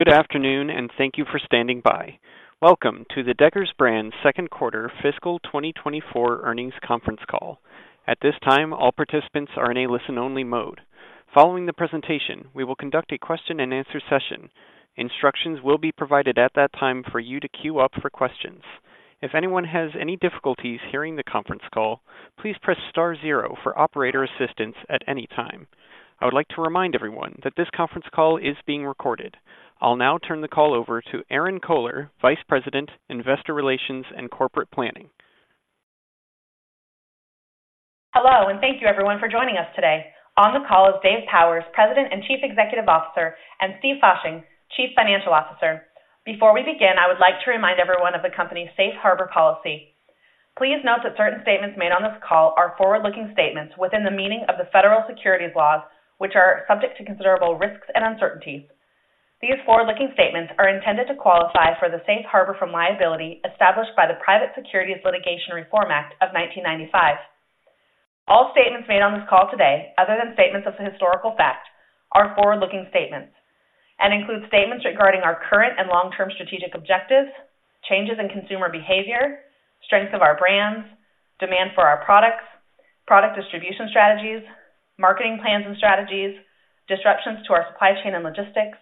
Good afternoon, and thank you for standing by. Welcome to the Deckers Brands Second Quarter Fiscal 2024 Earnings Conference Call. At this time, all participants are in a listen-only mode. Following the presentation, we will conduct a question-and-answer session. Instructions will be provided at that time for you to queue up for questions. If anyone has any difficulties hearing the conference call, please press star zero for operator assistance at any time. I would like to remind everyone that this conference call is being recorded. I'll now turn the call over to Erinn Kohler, Vice President, Investor Relations and Corporate Planning. Hello, and thank you everyone for joining us today. On the call is Dave Powers, President and Chief Executive Officer, and Steve Fasching, Chief Financial Officer. Before we begin, I would like to remind everyone of the company's Safe Harbor policy. Please note that certain statements made on this call are forward-looking statements within the meaning of the federal securities laws, which are subject to considerable risks and uncertainties. These forward-looking statements are intended to qualify for the safe harbor from liability established by the Private Securities Litigation Reform Act of 1995. All statements made on this call today, other than statements of historical fact, are forward-looking statements and include statements regarding our current and long-term strategic objectives, changes in consumer behavior, strength of our brands, demand for our products, product distribution strategies, marketing plans and strategies, disruptions to our supply chain and logistics,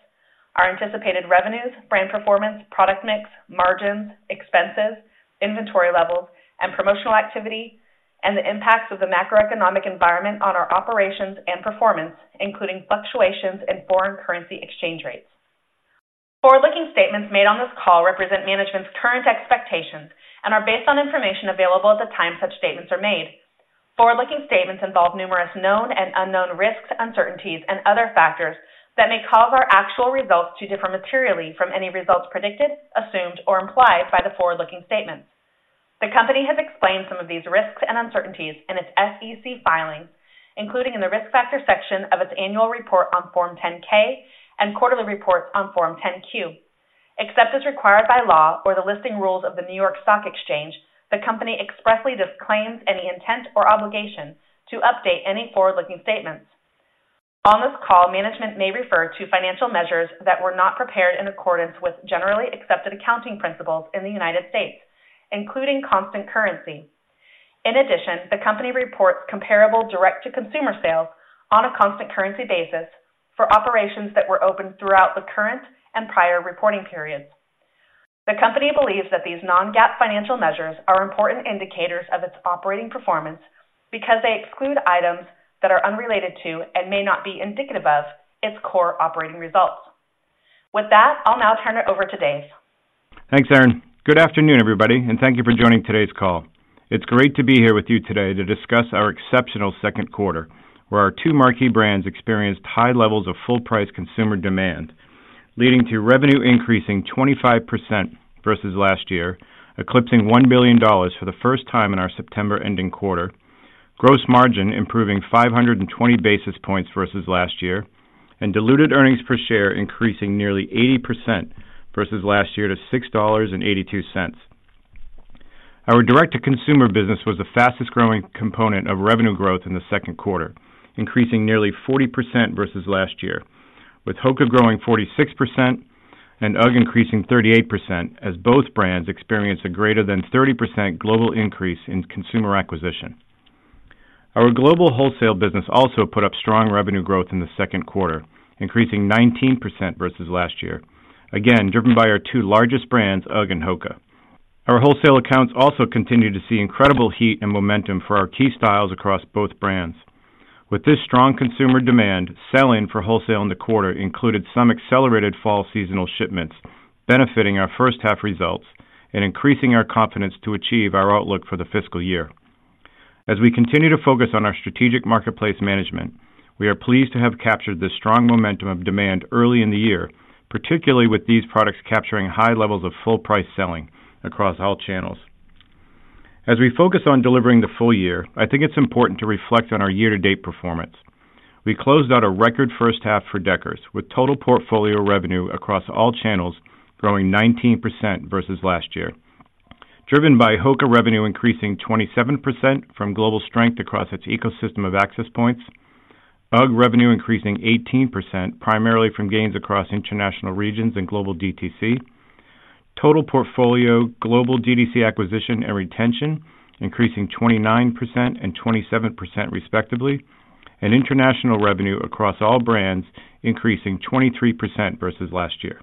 our anticipated revenues, brand performance, product mix, margins, expenses, inventory levels, and promotional activity, and the impacts of the macroeconomic environment on our operations and performance, including fluctuations in foreign currency exchange rates. Forward-looking statements made on this call represent management's current expectations and are based on information available at the time such statements are made. Forward-looking statements involve numerous known and unknown risks, uncertainties, and other factors that may cause our actual results to differ materially from any results predicted, assumed, or implied by the forward-looking statements. The company has explained some of these risks and uncertainties in its SEC filings, including in the Risk Factors section of its annual report on Form 10-K and quarterly reports on Form 10-Q. Except as required by law or the listing rules of the New York Stock Exchange, the company expressly disclaims any intent or obligation to update any forward-looking statements. On this call, management may refer to financial measures that were not prepared in accordance with generally accepted accounting principles in the United States, including constant currency. In addition, the company reports comparable direct-to-consumer sales on a constant currency basis for operations that were open throughout the current and prior reporting periods. The company believes that these non-GAAP financial measures are important indicators of its operating performance because they exclude items that are unrelated to, and may not be indicative of, its core operating results. With that, I'll now turn it over to Dave. Thanks, Erinn. Good afternoon, everybody, and thank you for joining today's call. It's great to be here with you today to discuss our exceptional second quarter, where our two marquee brands experienced high levels of full price consumer demand, leading to revenue increasing 25% versus last year, eclipsing $1 billion for the first time in our September ending quarter. Gross margin improving 520 basis points versus last year, and diluted earnings per share increasing nearly 80% versus last year to $6.82. Our direct-to-consumer business was the fastest growing component of revenue growth in the second quarter, increasing nearly 40% versus last year, with HOKA growing 46% and UGG increasing 38%, as both brands experienced a greater than 30% global increase in consumer acquisition. Our global wholesale business also put up strong revenue growth in the second quarter, increasing 19% versus last year, again, driven by our two largest brands, UGG and HOKA. Our wholesale accounts also continued to see incredible heat and momentum for our key styles across both brands. With this strong consumer demand, selling for wholesale in the quarter included some accelerated fall seasonal shipments, benefiting our first half results and increasing our confidence to achieve our outlook for the fiscal year. As we continue to focus on our strategic marketplace management, we are pleased to have captured this strong momentum of demand early in the year, particularly with these products capturing high levels of full price selling across all channels. As we focus on delivering the full year, I think it's important to reflect on our year-to-date performance. We closed out a record first half for Deckers, with total portfolio revenue across all channels growing 19% versus last year, driven by HOKA revenue increasing 27% from global strength across its ecosystem of access points. UGG revenue increasing 18%, primarily from gains across international regions and global DTC. Total portfolio global DTC acquisition and retention increasing 29% and 27%, respectively, and international revenue across all brands increasing 23% versus last year.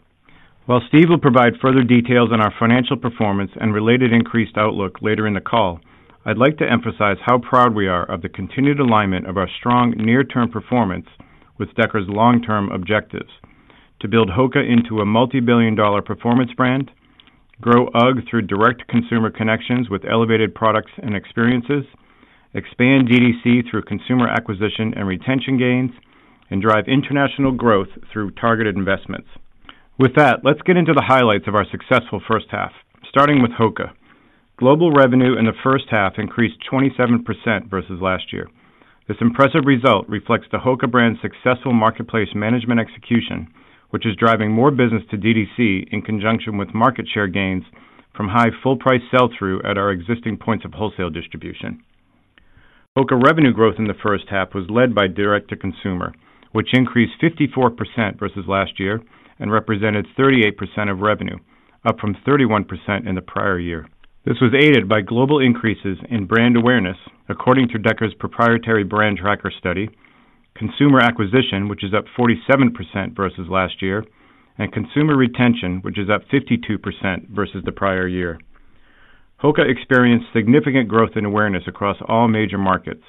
While Steve will provide further details on our financial performance and related increased outlook later in the call, I'd like to emphasize how proud we are of the continued alignment of our strong near-term performance with Deckers' long-term objectives: to build HOKA into a multi-billion dollar performance brand, grow UGG through direct consumer connections with elevated products and experiences, expand DTC through consumer acquisition and retention gains, and drive international growth through targeted investments. With that, let's get into the highlights of our successful first half, starting with HOKA. Global revenue in the first half increased 27% versus last year. This impressive result reflects the HOKA brand's successful marketplace management execution, which is driving more business to DTC in conjunction with market share gains from high full price sell-through at our existing points of wholesale distribution. HOKA revenue growth in the first half was led by direct-to-consumer, which increased 54% versus last year and represented 38% of revenue, up from 31% in the prior year. This was aided by global increases in brand awareness, according to Deckers' proprietary brand tracker study, consumer acquisition, which is up 47% versus last year, and consumer retention, which is up 52% versus the prior year. HOKA experienced significant growth in awareness across all major markets,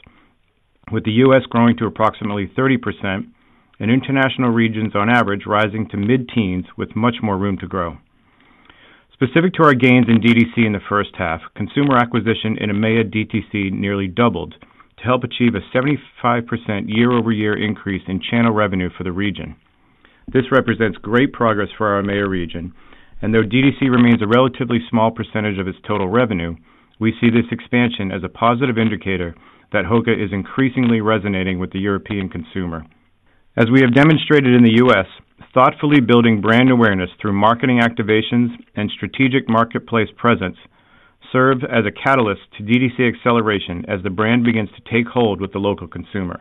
with the U.S. growing to approximately 30% and international regions on average rising to mid-teens with much more room to grow. Specific to our gains in DTC in the first half, consumer acquisition in EMEA DTC nearly doubled to help achieve a 75% year-over-year increase in channel revenue for the region. This represents great progress for our EMEA region, and though DTC remains a relatively small percentage of its total revenue, we see this expansion as a positive indicator that HOKA is increasingly resonating with the European consumer. As we have demonstrated in the U.S., thoughtfully building brand awareness through marketing activations and strategic marketplace presence serves as a catalyst to DTC acceleration as the brand begins to take hold with the local consumer.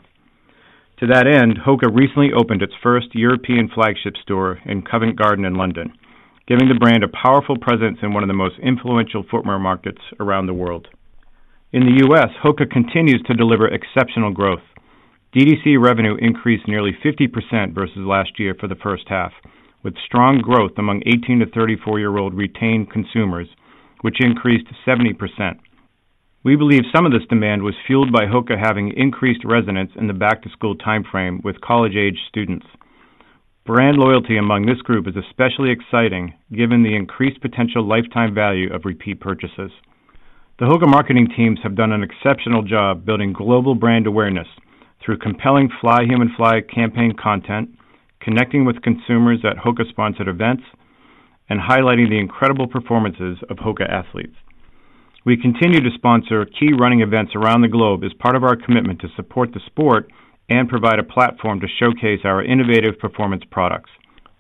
To that end, HOKA recently opened its first European flagship store in Covent Garden in London, giving the brand a powerful presence in one of the most influential footwear markets around the world. In the U.S., HOKA continues to deliver exceptional growth. DTC revenue increased nearly 50% versus last year for the first half, with strong growth among 18 to 34-year-old retained consumers, which increased to 70%. We believe some of this demand was fueled by HOKA having increased resonance in the back-to-school time frame with college-age students. Brand loyalty among this group is especially exciting, given the increased potential lifetime value of repeat purchases. The HOKA marketing teams have done an exceptional job building global brand awareness through compelling Fly Human Fly campaign content, connecting with consumers at HOKA-sponsored events, and highlighting the incredible performances of HOKA athletes. We continue to sponsor key running events around the globe as part of our commitment to support the sport and provide a platform to showcase our innovative performance products.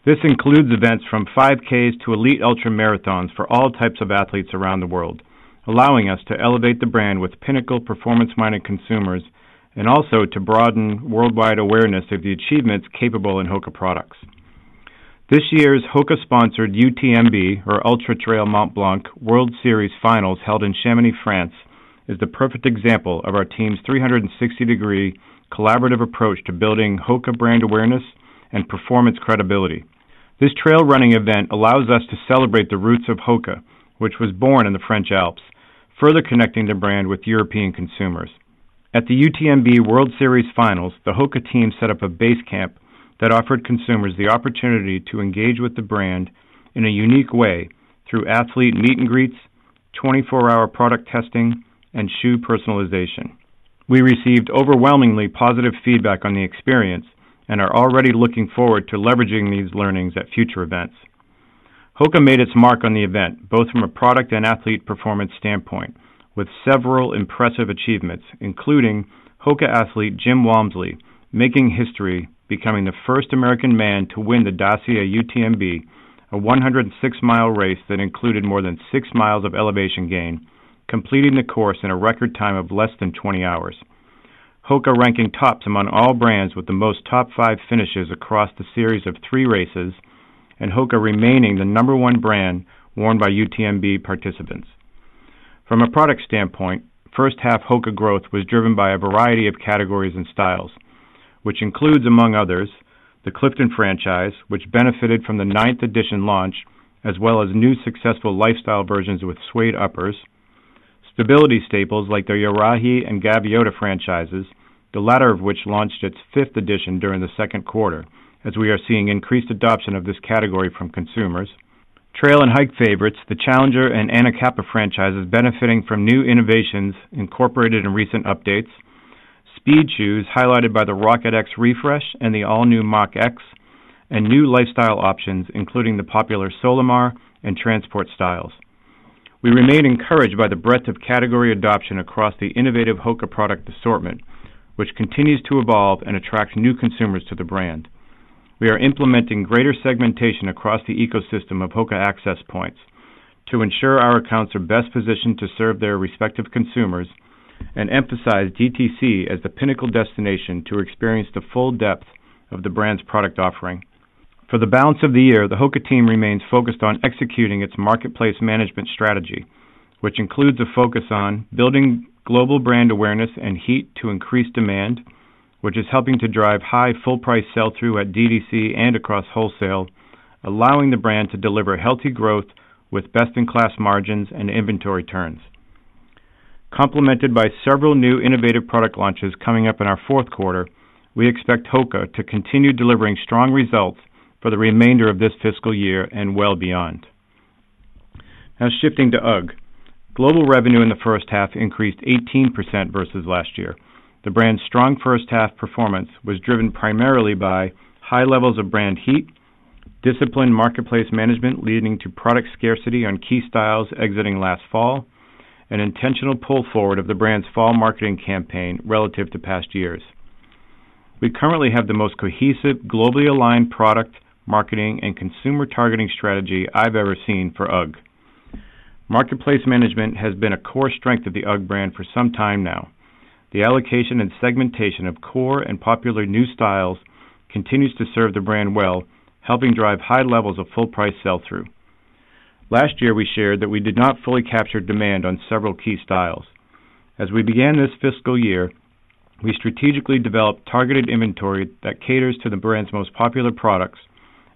This includes events from 5Ks to elite ultramarathons for all types of athletes around the world, allowing us to elevate the brand with pinnacle performance-minded consumers and also to broaden worldwide awareness of the achievements capable in HOKA products. This year's HOKA-sponsored UTMB, or Ultra-Trail Mont-Blanc World Series Finals, held in Chamonix, France, is the perfect example of our team's 360-degree collaborative approach to building HOKA brand awareness and performance credibility. This trail running event allows us to celebrate the roots of HOKA, which was born in the French Alps, further connecting the brand with European consumers. At the UTMB World Series Finals, the HOKA team set up a base camp that offered consumers the opportunity to engage with the brand in a unique way through athlete meet and greets, 24-hour product testing, and shoe personalization. We received overwhelmingly positive feedback on the experience and are already looking forward to leveraging these learnings at future events. HOKA made its mark on the event, both from a product and athlete performance standpoint, with several impressive achievements, including HOKA athlete Jim Walmsley making history, becoming the first American man to win the Dacia UTMB, a 106-mile race that included more than six miles of elevation gain, completing the course in a record time of less than 20 hours. HOKA ranking tops among all brands with the most top five finishes across the series of three races, and HOKA remaining the number one brand worn by UTMB participants. From a product standpoint, first half HOKA growth was driven by a variety of categories and styles, which includes, among others: the Clifton franchise, which benefited from the ninth edition launch, as well as new successful lifestyle versions with suede uppers. Stability staples like the Arahi and Gaviota franchises, the latter of which launched its fifth edition during the second quarter, as we are seeing increased adoption of this category from consumers. Trail and hike favorites, the Challenger and Anacapa franchises benefiting from new innovations incorporated in recent updates. Speed shoes highlighted by the Rocket X refresh and the all-new Mach X. And new lifestyle options, including the popular Solimar and Transport styles. We remain encouraged by the breadth of category adoption across the innovative HOKA product assortment, which continues to evolve and attract new consumers to the brand. We are implementing greater segmentation across the ecosystem of HOKA access points to ensure our accounts are best positioned to serve their respective consumers and emphasize DTC as the pinnacle destination to experience the full depth of the brand's product offering. For the balance of the year, the HOKA team remains focused on executing its marketplace management strategy, which includes a focus on building global brand awareness and heat to increase demand, which is helping to drive high full price sell-through at DTC and across wholesale, allowing the brand to deliver healthy growth with best-in-class margins and inventory turns. Complemented by several new innovative product launches coming up in our fourth quarter, we expect HOKA to continue delivering strong results for the remainder of this fiscal year and well beyond. Now shifting to UGG. Global revenue in the first half increased 18% versus last year. The brand's strong first half performance was driven primarily by high levels of brand heat, disciplined marketplace management, leading to product scarcity on key styles exiting last fall, and intentional pull forward of the brand's fall marketing campaign relative to past years. We currently have the most cohesive, globally aligned product, marketing, and consumer targeting strategy I've ever seen for UGG. Marketplace management has been a core strength of the UGG brand for some time now. The allocation and segmentation of core and popular new styles continues to serve the brand well, helping drive high levels of full price sell-through. Last year, we shared that we did not fully capture demand on several key styles. As we began this fiscal year, we strategically developed targeted inventory that caters to the brand's most popular products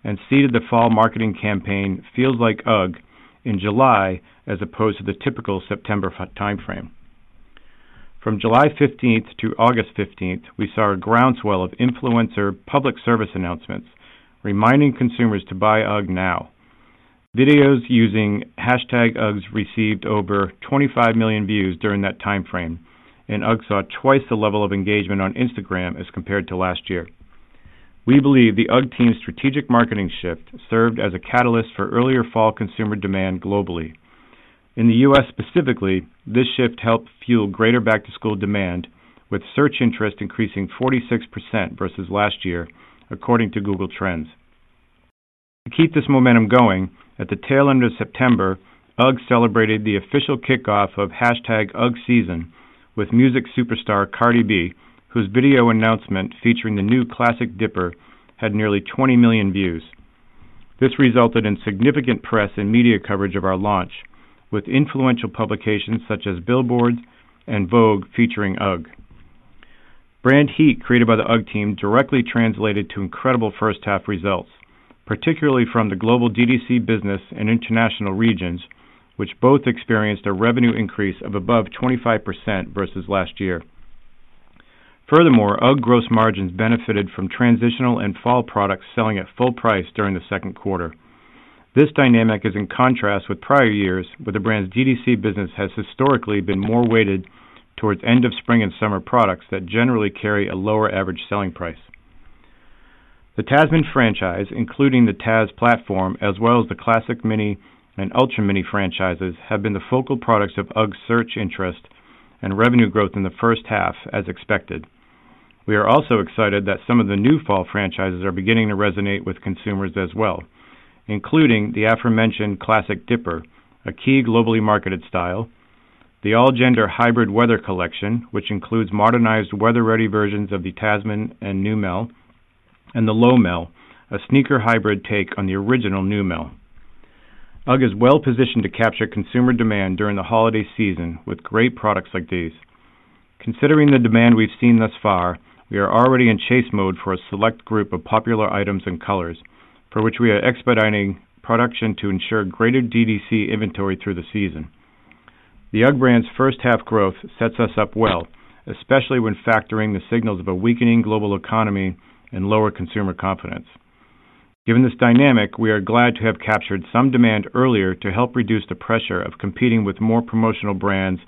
and seeded the fall marketing campaign, Feels Like UGG, in July, as opposed to the typical September time frame. From July 15 to August 15, we saw a groundswell of influencer public service announcements reminding consumers to buy UGG now. Videos using hashtag UGGs received over 25 million views during that time frame, and UGG saw twice the level of engagement on Instagram as compared to last year. We believe the UGG team's strategic marketing shift served as a catalyst for earlier fall consumer demand globally. In the US specifically, this shift helped fuel greater back-to-school demand, with search interest increasing 46% versus last year, according to Google Trends. To keep this momentum going, at the tail end of September, UGG celebrated the official kickoff of hashtag UGG season with music superstar Cardi B, whose video announcement featuring the new Classic Dipper had nearly 20 million views. This resulted in significant press and media coverage of our launch, with influential publications such as Billboard and Vogue featuring UGG. Brand heat created by the UGG team directly translated to incredible first half results, particularly from the global D2C business and international regions, which both experienced a revenue increase of above 25% versus last year. Furthermore, UGG gross margins benefited from transitional and fall products selling at full price during the second quarter. This dynamic is in contrast with prior years, where the brand's D2C business has historically been more weighted towards end of spring and summer products that generally carry a lower average selling price. The Tasman franchise, including the Tazz platform, as well as the Classic Mini and Ultra Mini franchises, have been the focal products of UGG's search interest and revenue growth in the first half, as expected. We are also excited that some of the new fall franchises are beginning to resonate with consumers as well, including the aforementioned Classic Dipper, a key globally marketed style, the all-gender hybrid weather collection, which includes modernized weather-ready versions of the Tasman and Neumel, and the Lowmel, a sneaker hybrid take on the original Neumel. UGG is well-positioned to capture consumer demand during the holiday season with great products like these. Considering the demand we've seen thus far, we are already in chase mode for a select group of popular items and colors for which we are expediting production to ensure greater D2C inventory through the season. The UGG brand's first half growth sets us up well, especially when factoring the signals of a weakening global economy and lower consumer confidence. Given this dynamic, we are glad to have captured some demand earlier to help reduce the pressure of competing with more promotional brands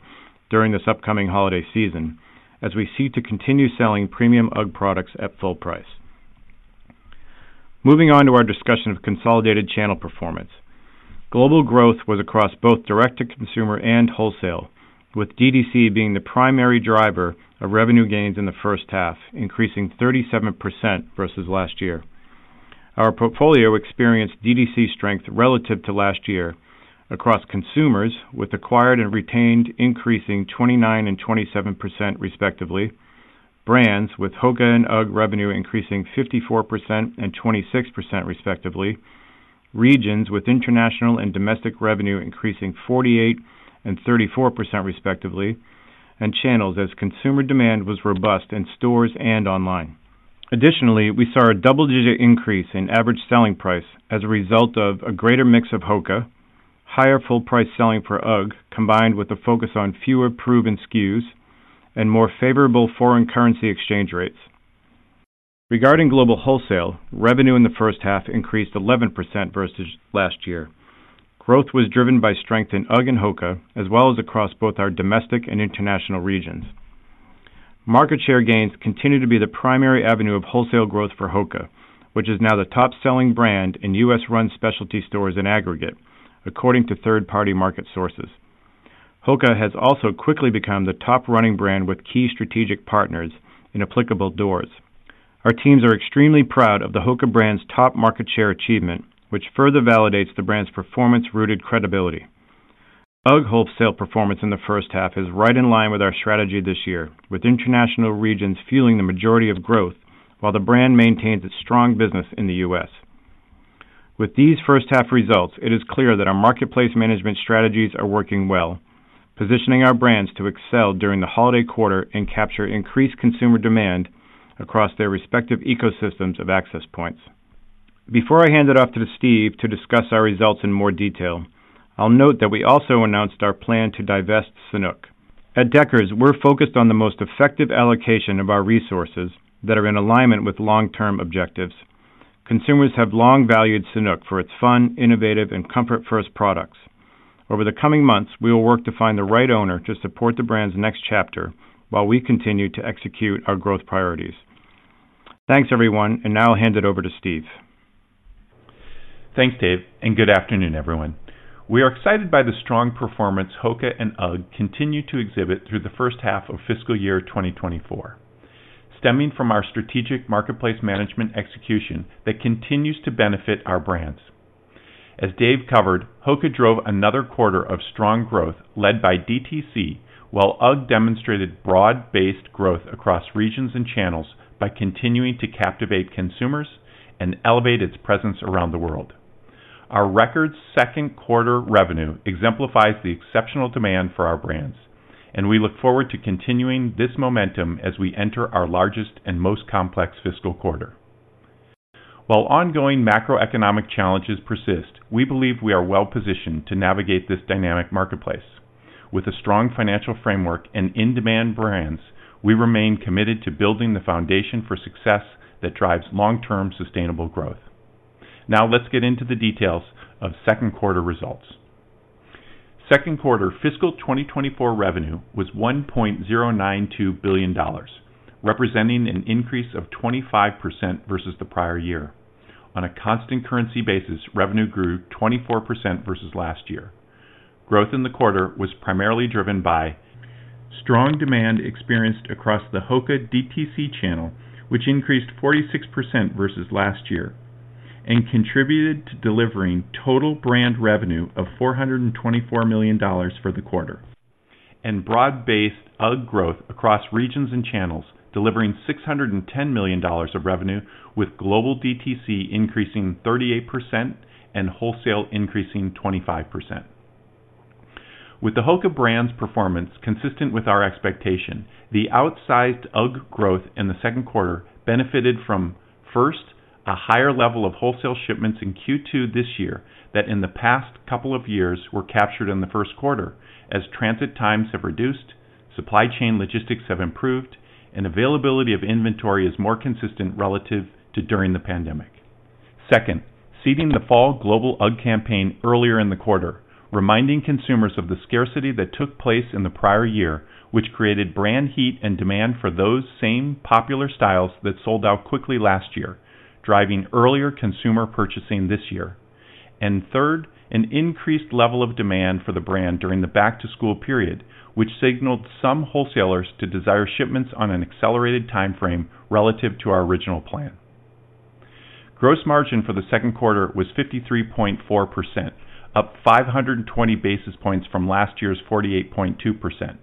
during this upcoming holiday season, as we seek to continue selling premium UGG products at full price. Moving on to our discussion of consolidated channel performance. Global growth was across both direct-to-consumer and wholesale, with D2C being the primary driver of revenue gains in the first half, increasing 37% versus last year. Our portfolio experienced D2C strength relative to last year across consumers with acquired and retained increasing 29% and 27% respectively, brands with HOKA and UGG revenue increasing 54% and 26% respectively, regions with international and domestic revenue increasing 48% and 34% respectively, and channels as consumer demand was robust in stores and online. Additionally, we saw a double-digit increase in average selling price as a result of a greater mix of HOKA, higher full price selling for UGG, combined with a focus on fewer proven SKUs and more favorable foreign currency exchange rates. Regarding global wholesale, revenue in the first half increased 11% versus last year. Growth was driven by strength in UGG and HOKA, as well as across both our domestic and international regions. Market share gains continue to be the primary avenue of wholesale growth for HOKA, which is now the top-selling brand in U.S. run specialty stores in aggregate, according to third-party market sources. HOKA has also quickly become the top-running brand with key strategic partners in applicable doors. Our teams are extremely proud of the HOKA brand's top market share achievement, which further validates the brand's performance-rooted credibility. UGG wholesale performance in the first half is right in line with our strategy this year, with international regions fueling the majority of growth while the brand maintains its strong business in the U.S. With these first half results, it is clear that our marketplace management strategies are working well, positioning our brands to excel during the holiday quarter and capture increased consumer demand across their respective ecosystems of access points. Before I hand it off to Steve to discuss our results in more detail, I'll note that we also announced our plan to divest Sanuk. At Deckers, we're focused on the most effective allocation of our resources that are in alignment with long-term objectives. Consumers have long valued Sanuk for its fun, innovative, and comfort-first products. Over the coming months, we will work to find the right owner to support the brand's next chapter while we continue to execute our growth priorities. Thanks, everyone, and now I'll hand it over to Steve. Thanks, Dave, and good afternoon, everyone. We are excited by the strong performance HOKA and UGG continue to exhibit through the first half of fiscal year 2024, stemming from our strategic marketplace management execution that continues to benefit our brands. As Dave covered, HOKA drove another quarter of strong growth led by DTC, while UGG demonstrated broad-based growth across regions and channels by continuing to captivate consumers and elevate its presence around the world. Our record second quarter revenue exemplifies the exceptional demand for our brands, and we look forward to continuing this momentum as we enter our largest and most complex fiscal quarter. While ongoing macroeconomic challenges persist, we believe we are well positioned to navigate this dynamic marketplace. With a strong financial framework and in-demand brands, we remain committed to building the foundation for success that drives long-term sustainable growth. Now, let's get into the details of Second Quarter results. Second Quarter fiscal 2024 revenue was $1.092 billion, representing an increase of 25% versus the prior year. On a constant currency basis, revenue grew 24% versus last year. Growth in the quarter was primarily driven by strong demand experienced across the HOKA DTC channel, which increased 46% versus last year and contributed to delivering total brand revenue of $424 million for the quarter. Broad-based UGG growth across regions and channels, delivering $610 million of revenue, with global DTC increasing 38% and wholesale increasing 25%. With the HOKA brand's performance consistent with our expectation, the outsized UGG growth in the second quarter benefited from, first, a higher level of wholesale shipments in Q2 this year than in the past couple of years were captured in the first quarter, as transit times have reduced, supply chain logistics have improved, and availability of inventory is more consistent relative to during the pandemic. Second, seeding the fall global UGG campaign earlier in the quarter, reminding consumers of the scarcity that took place in the prior year, which created brand heat and demand for those same popular styles that sold out quickly last year, driving earlier consumer purchasing this year. And third, an increased level of demand for the brand during the back-to-school period, which signaled some wholesalers to desire shipments on an accelerated timeframe relative to our original plan. Gross margin for the second quarter was 53.4%, up 520 basis points from last year's 48.2%.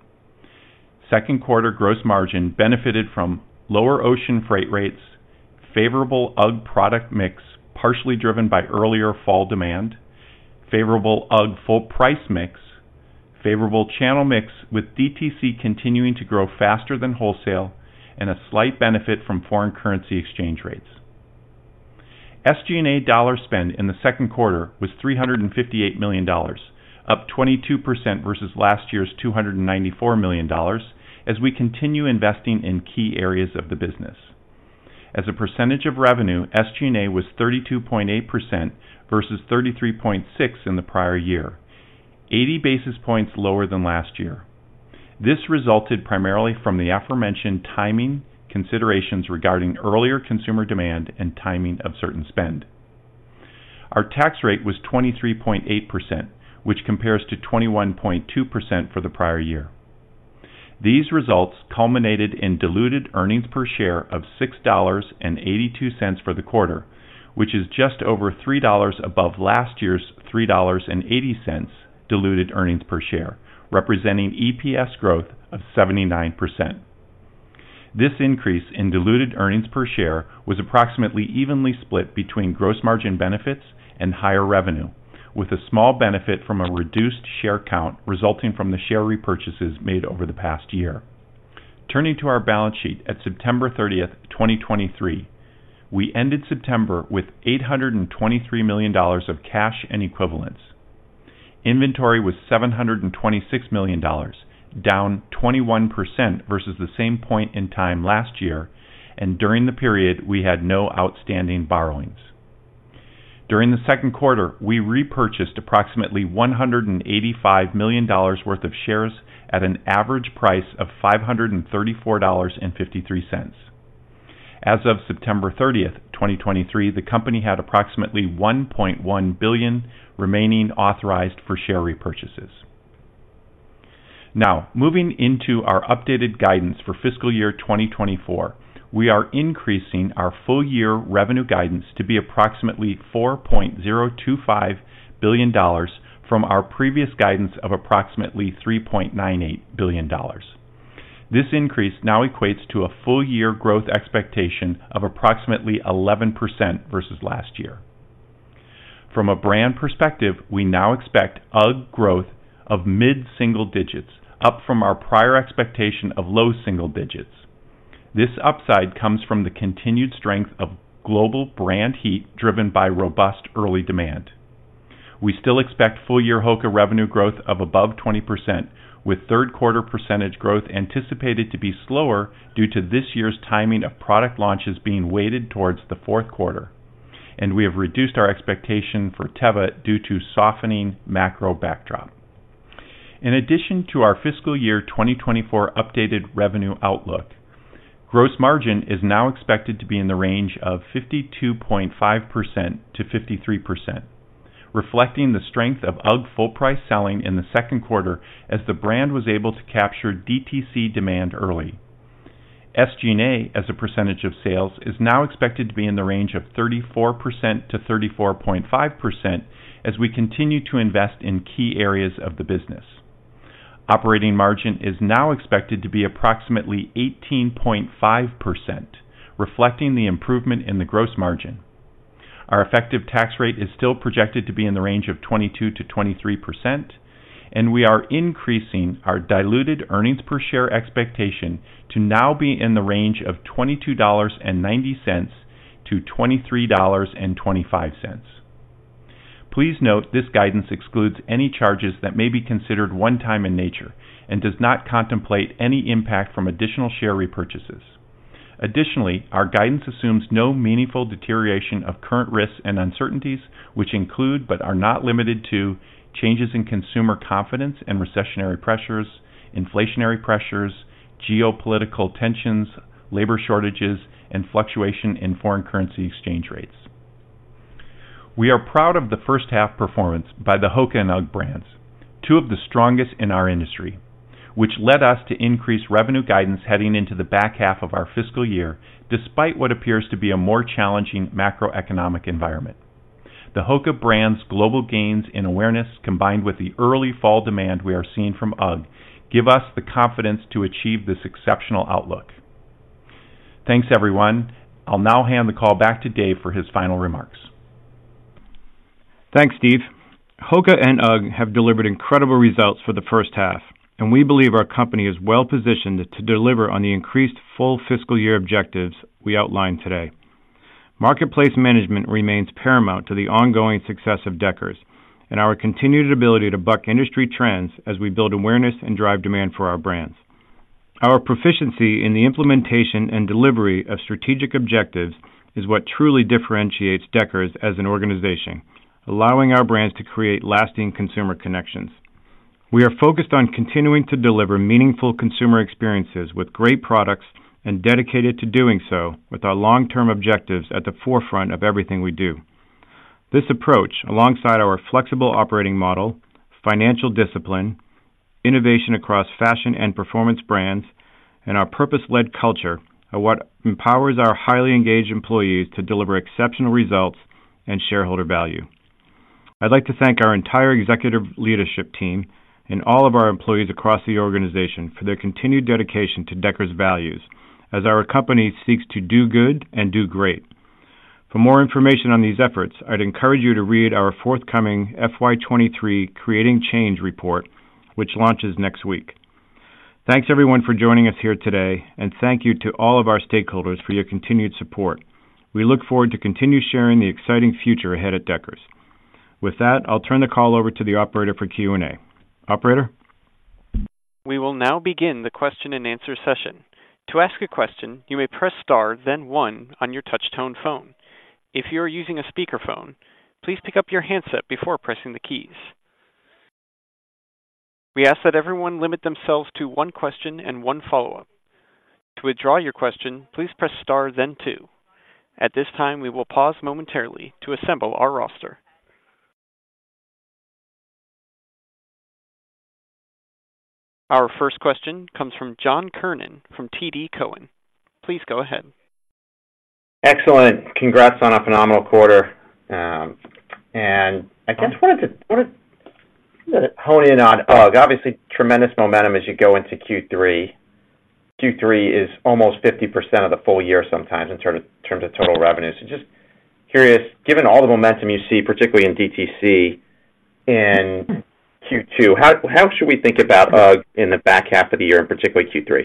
Second quarter gross margin benefited from lower ocean freight rates, favorable UGG product mix, partially driven by earlier fall demand, favorable UGG full price mix, favorable channel mix, with DTC continuing to grow faster than wholesale, and a slight benefit from foreign currency exchange rates. SG&A dollar spend in the second quarter was $358 million, up 22% versus last year's $294 million as we continue investing in key areas of the business. As a percentage of revenue, SG&A was 32.8% versus 33.6% in the prior year, 80 basis points lower than last year. This resulted primarily from the aforementioned timing considerations regarding earlier consumer demand and timing of certain spend. Our tax rate was 23.8%, which compares to 21.2% for the prior year. These results culminated in diluted earnings per share of $6.82 for the quarter, which is just over $3 above last year's $3.80 diluted earnings per share, representing EPS growth of 79%. This increase in diluted earnings per share was approximately evenly split between gross margin benefits and higher revenue, with a small benefit from a reduced share count resulting from the share repurchases made over the past year. Turning to our balance sheet at September 30th, 2023, we ended September with $823 million of cash and equivalents. Inventory was $726 million, down 21% versus the same point in time last year, and during the period, we had no outstanding borrowings. During the second quarter, we repurchased approximately $185 million worth of shares at an average price of $534.53. As of September 30th, 2023, the company had approximately $1.1 billion remaining authorized for share repurchases. Now, moving into our updated guidance for fiscal year 2024, we are increasing our full year revenue guidance to be approximately $4.025 billion from our previous guidance of approximately $3.98 billion. This increase now equates to a full year growth expectation of approximately 11% versus last year. From a brand perspective, we now expect UGG growth of mid-single digits, up from our prior expectation of low single digits. This upside comes from the continued strength of global brand heat driven by robust early demand. We still expect full year HOKA revenue growth of above 20%, with third quarter percentage growth anticipated to be slower due to this year's timing of product launches being weighted towards the fourth quarter, and we have reduced our expectation for Teva due to softening macro backdrop. In addition to our fiscal year 2024 updated revenue outlook, gross margin is now expected to be in the range of 52.5%-53%, reflecting the strength of UGG full-price selling in the second quarter as the brand was able to capture DTC demand early. SG&A, as a percentage of sales, is now expected to be in the range of 34%-34.5%, as we continue to invest in key areas of the business. Operating margin is now expected to be approximately 18.5%, reflecting the improvement in the gross margin. Our effective tax rate is still projected to be in the range of 22%-23%, and we are increasing our diluted earnings per share expectation to now be in the range of $22.90-$23.25. Please note, this guidance excludes any charges that may be considered one-time in nature and does not contemplate any impact from additional share repurchases. Additionally, our guidance assumes no meaningful deterioration of current risks and uncertainties, which include, but are not limited to, changes in consumer confidence and recessionary pressures, inflationary pressures, geopolitical tensions, labor shortages, and fluctuation in foreign currency exchange rates. We are proud of the first half performance by the HOKA and UGG brands, two of the strongest in our industry, which led us to increase revenue guidance heading into the back half of our fiscal year, despite what appears to be a more challenging macroeconomic environment. The HOKA brand's global gains in awareness, combined with the early fall demand we are seeing from UGG, give us the confidence to achieve this exceptional outlook. Thanks, everyone. I'll now hand the call back to Dave for his final remarks. Thanks, Steve. HOKA and UGG have delivered incredible results for the first half, and we believe our company is well-positioned to deliver on the increased full fiscal year objectives we outlined today. Marketplace management remains paramount to the ongoing success of Deckers and our continued ability to buck industry trends as we build awareness and drive demand for our brands. Our proficiency in the implementation and delivery of strategic objectives is what truly differentiates Deckers as an organization, allowing our brands to create lasting consumer connections. We are focused on continuing to deliver meaningful consumer experiences with great products, and dedicated to doing so with our long-term objectives at the forefront of everything we do. This approach, alongside our flexible operating model, financial discipline, innovation across fashion and performance brands, and our purpose-led culture, are what empowers our highly engaged employees to deliver exceptional results and shareholder value. I'd like to thank our entire executive leadership team and all of our employees across the organization for their continued dedication to Deckers' values as our company seeks to do good and do great. For more information on these efforts, I'd encourage you to read our forthcoming FY 2023 Creating Change report, which launches next week. Thanks, everyone, for joining us here today, and thank you to all of our stakeholders for your continued support. We look forward to continue sharing the exciting future ahead at Deckers. With that, I'll turn the call over to the operator for Q&A. Operator? We will now begin the question-and-answer session. To ask a question, you may press star, then one on your touch tone phone. If you are using a speakerphone, please pick up your handset before pressing the keys. We ask that everyone limit themselves to one question and one follow-up. To withdraw your question, please press star then two. At this time, we will pause momentarily to assemble our roster. Our first question comes from John Kernan from TD Cowen. Please go ahead. Excellent. Congrats on a phenomenal quarter. And I guess wanted to hone in on UGG. Obviously, tremendous momentum as you go into Q3. Q3 is almost 50% of the full year, sometimes in terms of total revenue. So just curious, given all the momentum you see, particularly in DTC in Q2, how should we think about UGG in the back half of the year, and particularly Q3?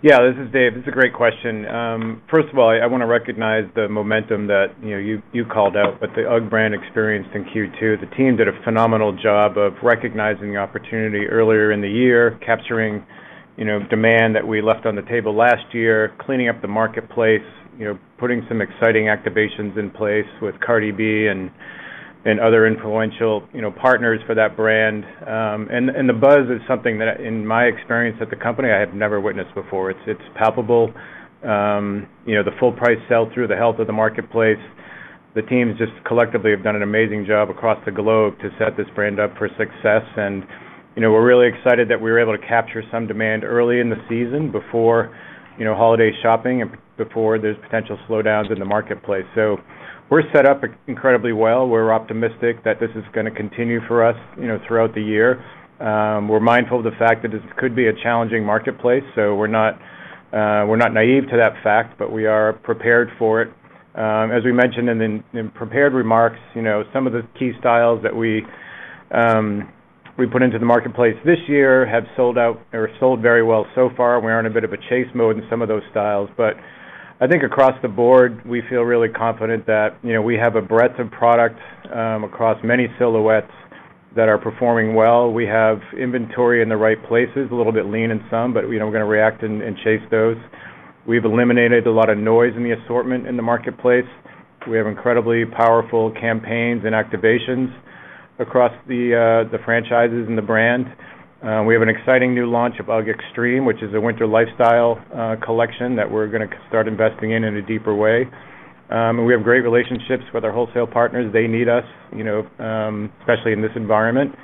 Yeah, this is Dave. It's a great question. First of all, I want to recognize the momentum that, you know, you called out, what the UGG brand experienced in Q2. The team did a phenomenal job of recognizing the opportunity earlier in the year, capturing, you know, demand that we left on the table last year, cleaning up the marketplace, you know, putting some exciting activations in place with Cardi B and other influential, you know, partners for that brand. And the buzz is something that, in my experience at the company, I have never witnessed before. It's palpable. You know, the full price sell-through, the health of the marketplace, the teams just collectively have done an amazing job across the globe to set this brand up for success. You know, we're really excited that we were able to capture some demand early in the season before, you know, holiday shopping and before there's potential slowdowns in the marketplace. So we're set up incredibly well. We're optimistic that this is gonna continue for us, you know, throughout the year. We're mindful of the fact that this could be a challenging marketplace, so we're not, we're not naive to that fact, but we are prepared for it. As we mentioned in prepared remarks, you know, some of the key styles that we we put into the marketplace this year have sold out or sold very well so far. We're in a bit of a chase mode in some of those styles, but I think across the board, we feel really confident that, you know, we have a breadth of product across many silhouettes that are performing well. We have inventory in the right places, a little bit lean in some, but, you know, we're going to react and chase those. We've eliminated a lot of noise in the assortment in the marketplace. We have incredibly powerful campaigns and activations across the the franchises and the brands. We have an exciting new launch of UGG Extreme, which is a winter lifestyle collection that we're gonna start investing in in a deeper way. And we have great relationships with our wholesale partners. They need us, you know, especially in this environment.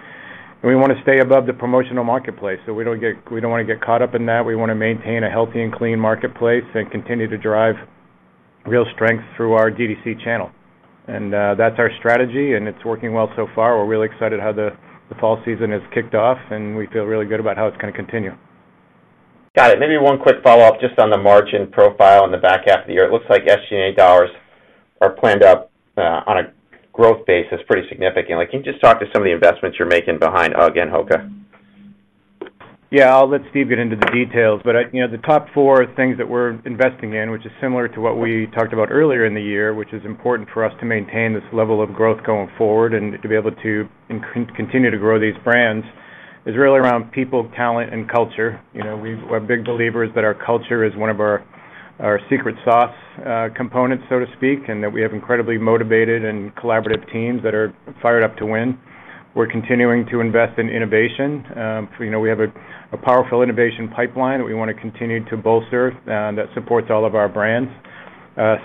We wanna stay above the promotional marketplace, so we don't get-- we don't wanna get caught up in that. We wanna maintain a healthy and clean marketplace and continue to drive real strength through our DTC channel. That's our strategy, and it's working well so far. We're really excited how the fall season has kicked off, and we feel really good about how it's gonna continue. Got it. Maybe one quick follow-up, just on the margin profile in the back half of the year. It looks like SG&A dollars are planned out, on a growth basis, pretty significantly. Can you just talk to some of the investments you're making behind UGG and HOKA? Yeah, I'll let Steve get into the details. But you know, the top four things that we're investing in, which is similar to what we talked about earlier in the year, which is important for us to maintain this level of growth going forward and to be able to continue to grow these brands, is really around people, talent, and culture. You know, we're big believers that our culture is one of our, our secret sauce components, so to speak, and that we have incredibly motivated and collaborative teams that are fired up to win. We're continuing to invest in innovation. You know, we have a powerful innovation pipeline that we wanna continue to bolster, that supports all of our brands.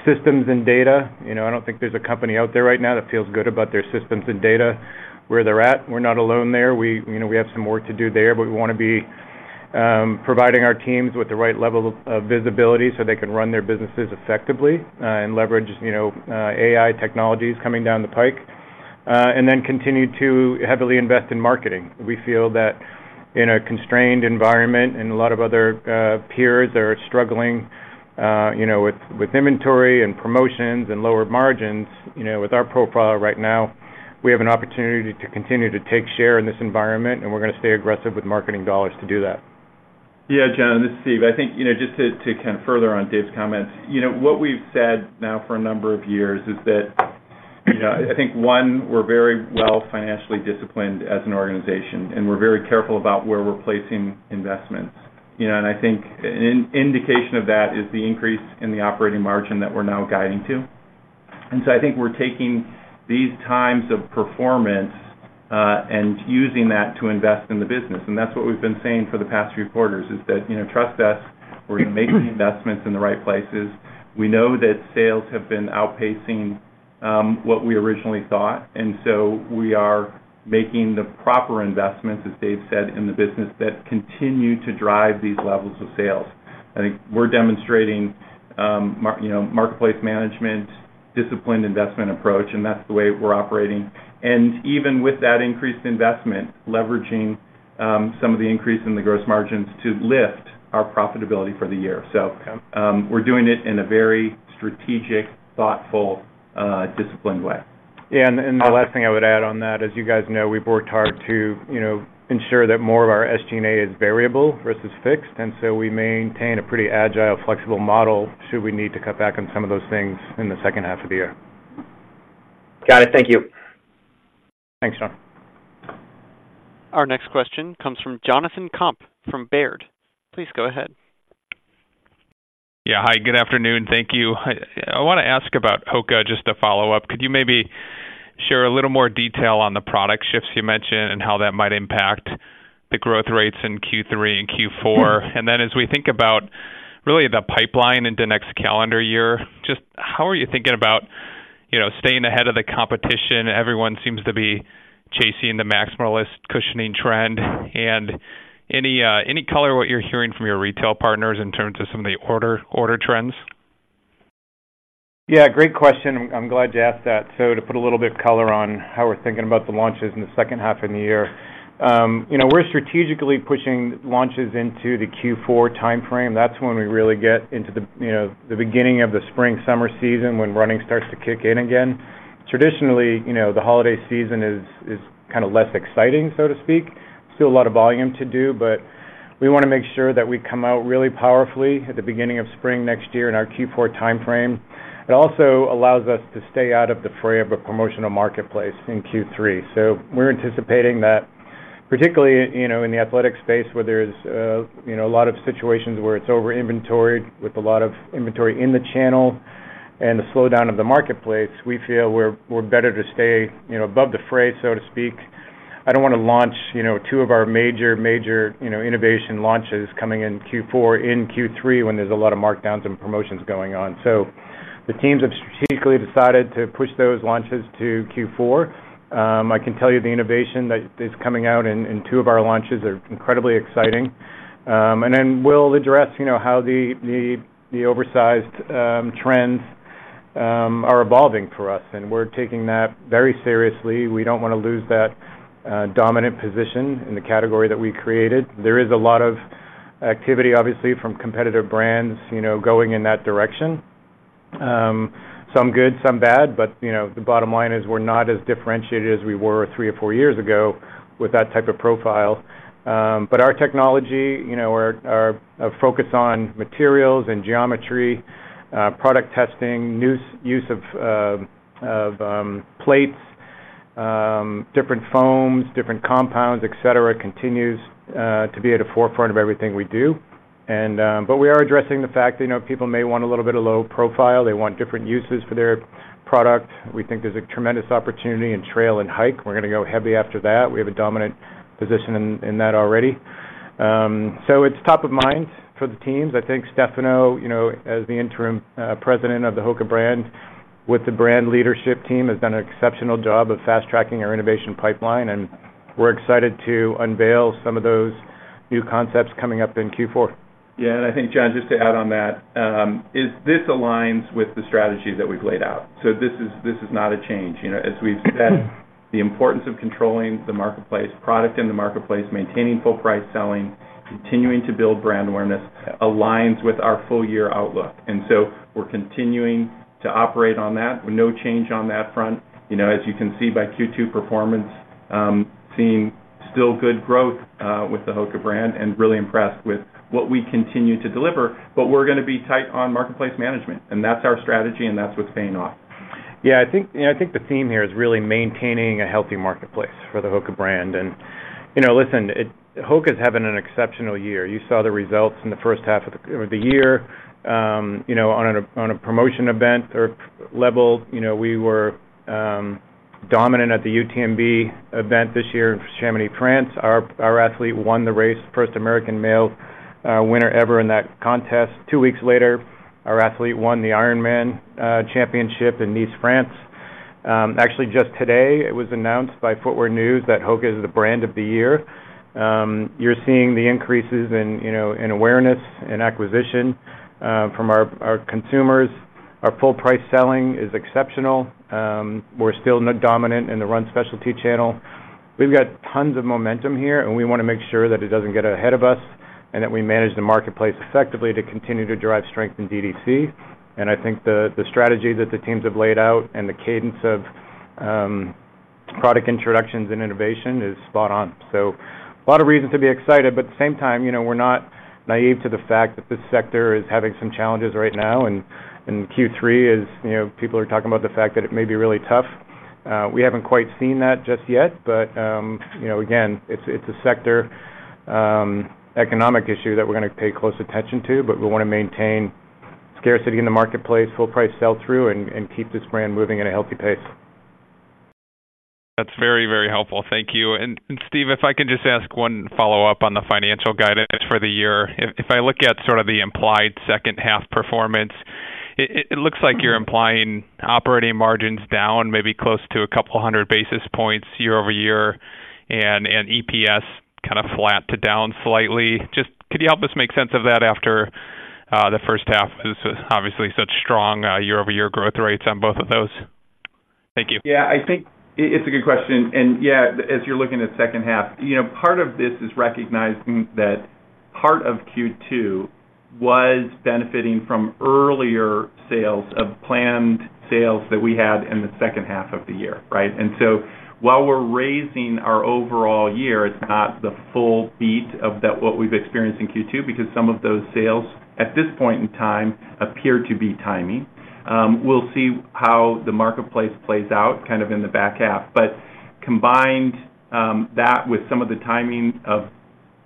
Systems and data, you know, I don't think there's a company out there right now that feels good about their systems and data, where they're at. We're not alone there. We, you know, we have some work to do there, but we wanna be providing our teams with the right level of visibility so they can run their businesses effectively, and leverage, you know, AI technologies coming down the pike. And then continue to heavily invest in marketing. We feel that in a constrained environment, and a lot of other peers are struggling, you know, with inventory and promotions and lower margins, with our profile right now, we have an opportunity to continue to take share in this environment, and we're gonna stay aggressive with marketing dollars to do that. Yeah, John, this is Steve. I think, you know, just to kind of further on Dave's comments, you know, what we've said now for a number of years is that, I think, one, we're very well financially disciplined as an organization, and we're very careful about where we're placing investments. You know, and I think an indication of that is the increase in the operating margin that we're now guiding to. And so I think we're taking these times of performance, and using that to invest in the business, and that's what we've been saying for the past few quarters, is that, you know, trust us, we're gonna make the investments in the right places. We know that sales have been outpacing what we originally thought, and so we are making the proper investments, as Dave said, in the business, that continue to drive these levels of sales. I think we're demonstrating you know, marketplace management, disciplined investment approach, and that's the way we're operating. And even with that increased investment, leveraging some of the increase in the gross margins to lift our profitability for the year. So, we're doing it in a very strategic, thoughtful, disciplined way. Yeah, and the last thing I would add on that, as you guys know, we've worked hard to, you know, ensure that more of our SG&A is variable versus fixed, and so we maintain a pretty agile, flexible model should we need to cut back on some of those things in the second half of the year. Got it. Thank you. Thanks, John. Our next question comes from Jonathan Komp from Baird. Please go ahead. Yeah. Hi, good afternoon. Thank you. I wanna ask about HOKA, just to follow up. Could you maybe share a little more detail on the product shifts you mentioned and how that might impact the growth rates in Q3 and Q4? And then, as we think about really the pipeline into next calendar year, just how are you thinking about, you know, staying ahead of the competition? Everyone seems to be chasing the maximalist cushioning trend. And any color what you're hearing from your retail partners in terms of some of the order, order trends? Yeah, great question. I'm glad you asked that. So to put a little bit of color on how we're thinking about the launches in the second half of the year. You know, we're strategically pushing launches into the Q4 timeframe. That's when we really get into the, you know, the beginning of the spring-summer season, when running starts to kick in again. Traditionally, you know, the holiday season is, is kind of less exciting, so to speak. Still a lot of volume to do, but we wanna make sure that we come out really powerfully at the beginning of spring next year, in our Q4 timeframe. It also allows us to stay out of the fray of a promotional marketplace in Q3. We're anticipating that, particularly, you know, in the athletic space, where there's, you know, a lot of situations where it's over-inventoried, with a lot of inventory in the channel and the slowdown of the marketplace, we feel we're better to stay, you know, above the fray, so to speak. I don't wanna launch, you know, two of our major, major, you know, innovation launches coming in Q4, in Q3, when there's a lot of markdowns and promotions going on. The teams have strategically decided to push those launches to Q4. I can tell you the innovation that is coming out in two of our launches are incredibly exciting. Then we'll address, you know, how the oversized trends are evolving for us, and we're taking that very seriously. We don't want to lose that dominant position in the category that we created. There is a lot of activity, obviously, from competitive brands, you know, going in that direction. Some good, some bad, but, you know, the bottom line is we're not as differentiated as we were three or four years ago with that type of profile. You know, our technology, our focus on materials and geometry, product testing, use of plates, different foams, different compounds, et cetera, continues to be at the forefront of everything we do. We are addressing the fact that, you know, people may want a little bit of low profile. They want different uses for their product. We think there's a tremendous opportunity in trail and hike. We're going to go heavy after that. We have a dominant position in, in that already. So it's top of mind for the teams. I think Stefano, you know, as the interim president of the HOKA brand, with the brand leadership team, has done an exceptional job of fast-tracking our innovation pipeline, and we're excited to unveil some of those new concepts coming up in Q4. Yeah, and I think, John, just to add on that, is this aligns with the strategy that we've laid out. So this is, this is not a change. You know, as we've said, the importance of controlling the marketplace, product in the marketplace, maintaining full price selling, continuing to build brand awareness, aligns with our full year outlook, and so we're continuing to operate on that. No change on that front. You know, as you can see by Q2 performance, seeing still good growth, with the HOKA brand, and really impressed with what we continue to deliver, but we're gonna be tight on marketplace management, and that's our strategy, and that's what's paying off. Yeah, I think, you know, I think the theme here is really maintaining a healthy marketplace for the HOKA brand. And, you know, listen, it, HOKA's having an exceptional year. You saw the results in the first half of the year. You know, on a promotion event or level, you know, we were dominant at the UTMB event this year in Chamonix, France. Our athlete won the race, first American male winner ever in that contest. Two weeks later, our athlete won the Ironman championship in Nice, France. Actually, just today, it was announced by Footwear News that HOKA is the brand of the year. You're seeing the increases in, you know, in awareness and acquisition from our consumers. Our full price selling is exceptional. We're still dominant in the run specialty channel. We've got tons of momentum here, and we wanna make sure that it doesn't get ahead of us, and that we manage the marketplace effectively to continue to drive strength in DTC. I think the strategy that the teams have laid out and the cadence of product introductions and innovation is spot on. A lot of reasons to be excited, but at the same time, you know, we're not naive to the fact that this sector is having some challenges right now, and Q3 is, you know, people are talking about the fact that it may be really tough. We haven't quite seen that just yet, but, you know, again, it's a sector economic issue that we're gonna pay close attention to, but we wanna maintain scarcity in the marketplace, full price sell-through, and keep this brand moving at a healthy pace. That's very, very helpful. Thank you. And Steve, if I can just ask one follow-up on the financial guidance for the year. If I look at sort of the implied second half performance, it looks like you're implying operating margins down, maybe close to a couple hundred basis points year-over-year, and EPS kind of flat to down slightly. Just could you help us make sense of that after the first half? This is obviously such strong year-over-year growth rates on both of those. Thank you. Yeah, I think it's a good question. And yeah, as you're looking at the second half, you know, part of this is recognizing that part of Q2 was benefiting from earlier sales of planned sales that we had in the second half of the year, right? And so while we're raising our overall year, it's not the full beat of that, what we've experienced in Q2, because some of those sales, at this point in time, appear to be timing. We'll see how the marketplace plays out kind of in the back half. But combined, that with some of the timing of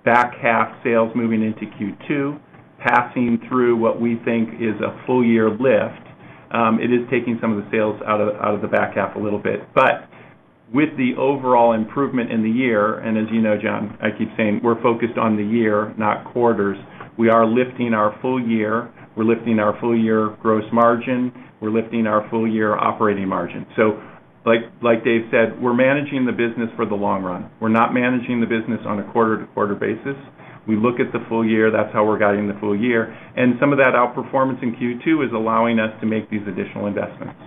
back half sales moving into Q2, passing through what we think is a full year lift, it is taking some of the sales out of the back half a little bit. But with the overall improvement in the year, and as you know, John, I keep saying, we're focused on the year, not quarters. We are lifting our full year, we're lifting our full year gross margin, we're lifting our full year operating margin. So like, like Dave said, we're managing the business for the long run. We're not managing the business on a quarter-to-quarter basis. We look at the full year. That's how we're guiding the full year, and some of that outperformance in Q2 is allowing us to make these additional investments.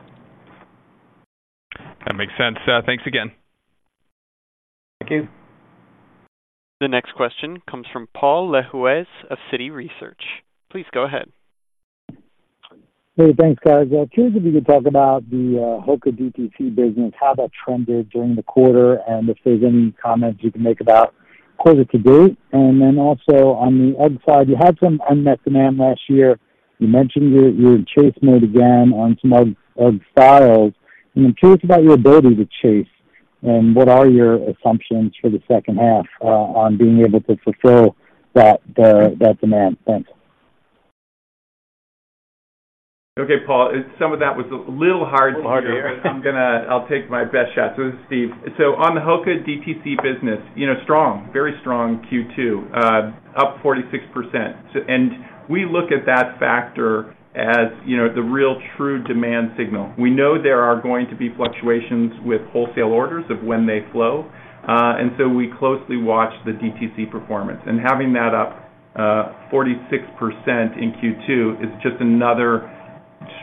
That makes sense. Thanks again. Thank you. The next question comes from Paul Lejuez of Citi Research. Please go ahead. Hey, thanks, guys. Curious if you could talk about the HOKA DTC business, how that trended during the quarter, and if there's any comments you can make about quarter to date. And then also, on the UGG side, you had some unmet demand last year. You mentioned you're, you're in chase mode again on some UGG, UGG styles. I'm curious about your ability to chase, and what are your assumptions for the second half, on being able to fulfill that, that demand? Thanks. Okay, Paul, some of that was a little hard to hear, but I'm gonna... I'll take my best shot. This is Steve. On the HOKA DTC business, you know, strong, very strong Q2, up 46%. We look at that factor as, you know, the real true demand signal. We know there are going to be fluctuations with wholesale orders of when they flow, and we closely watch the DTC performance. Having that up 46% in Q2 is just another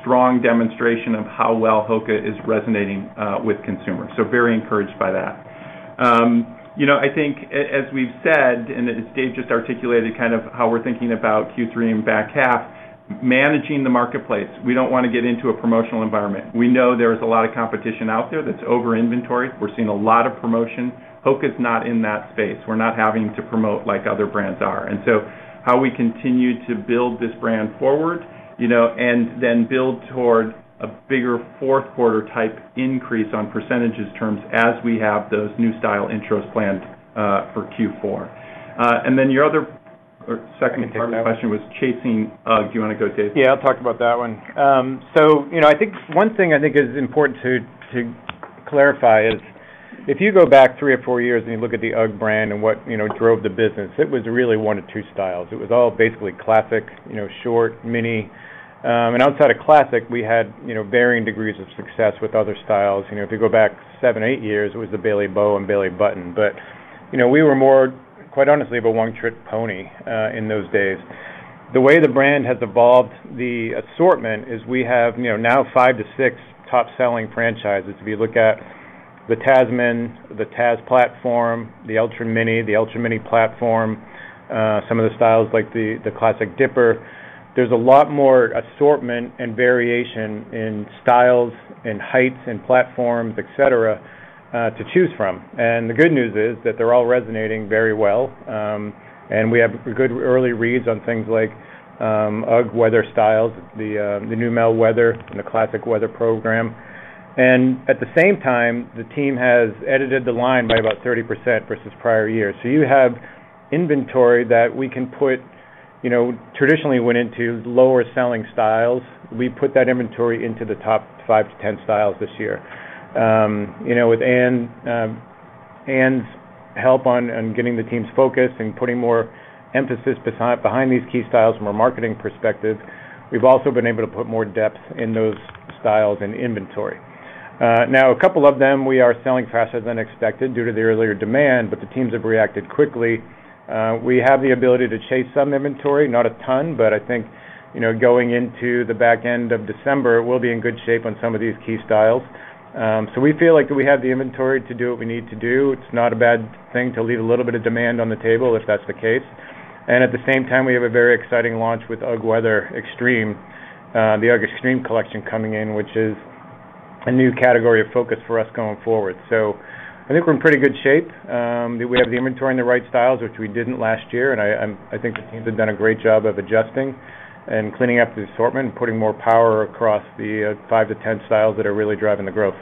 strong demonstration of how well HOKA is resonating, you know, with consumers, so very encouraged by that. I think as we've said, and as Dave just articulated, kind of how we're thinking about Q3 and back half, managing the marketplace, we don't want to get into a promotional environment. We know there is a lot of competition out there that's over inventory. We're seeing a lot of promotion. HOKA is not in that space. We're not having to promote like other brands are. And so how we continue to build this brand forward, you know, and then build toward a bigger fourth quarter type increase on percentage terms as we have those new style intros planned for Q4. And then your other or second part of the question was chasing. Do you wanna go, Dave? Yeah, I'll talk about that one. So, you know, I think one thing I think is important to clarify is if you go back three or four years and you look at the UGG brand and what, you know, drove the business, it was really one of two styles. It was all basically Classic, you know, short, mini. And outside of Classic, we had, you know, varying degrees of success with other styles. You know, if you go back seven or eight years, it was the Bailey Bow and Bailey Button. But, you know, we were more, quite honestly, of a one-trick pony in those days. The way the brand has evolved, the assortment is we have, you know, now five-six top-selling franchises. If you look at the Tasman, the Tazz platform, the Ultra Mini, the Ultra Mini platform, some of the styles like the, the Classic Dipper, there's a lot more assortment and variation in styles and heights and platforms, et cetera, to choose from. And the good news is that they're all resonating very well, and we have good early reads on things like, UGG weather styles, the, the new Neumel weather and the Classic weather program. And at the same time, the team has edited the line by about 30% versus prior years. So you have inventory that we can put, you know, traditionally went into lower selling styles. We put that inventory into the top five to 10 styles this year. You know, with Anne, Anne's help on getting the teams focused and putting more emphasis behind these key styles from a marketing perspective, we've also been able to put more depth in those styles and inventory. Now, a couple of them, we are selling faster than expected due to the earlier demand, but the teams have reacted quickly. We have the ability to chase some inventory, not a ton, but I think, you know, going into the back end of December, we'll be in good shape on some of these key styles. So we feel like we have the inventory to do what we need to do. It's not a bad thing to leave a little bit of demand on the table if that's the case. At the same time, we have a very exciting launch with UGG Extreme, the UGG Extreme collection coming in, which is a new category of focus for us going forward. I think we're in pretty good shape. We have the inventory in the right styles, which we didn't last year, and I think the teams have done a great job of adjusting and cleaning up the assortment, putting more power across the five to 10 styles that are really driving the growth.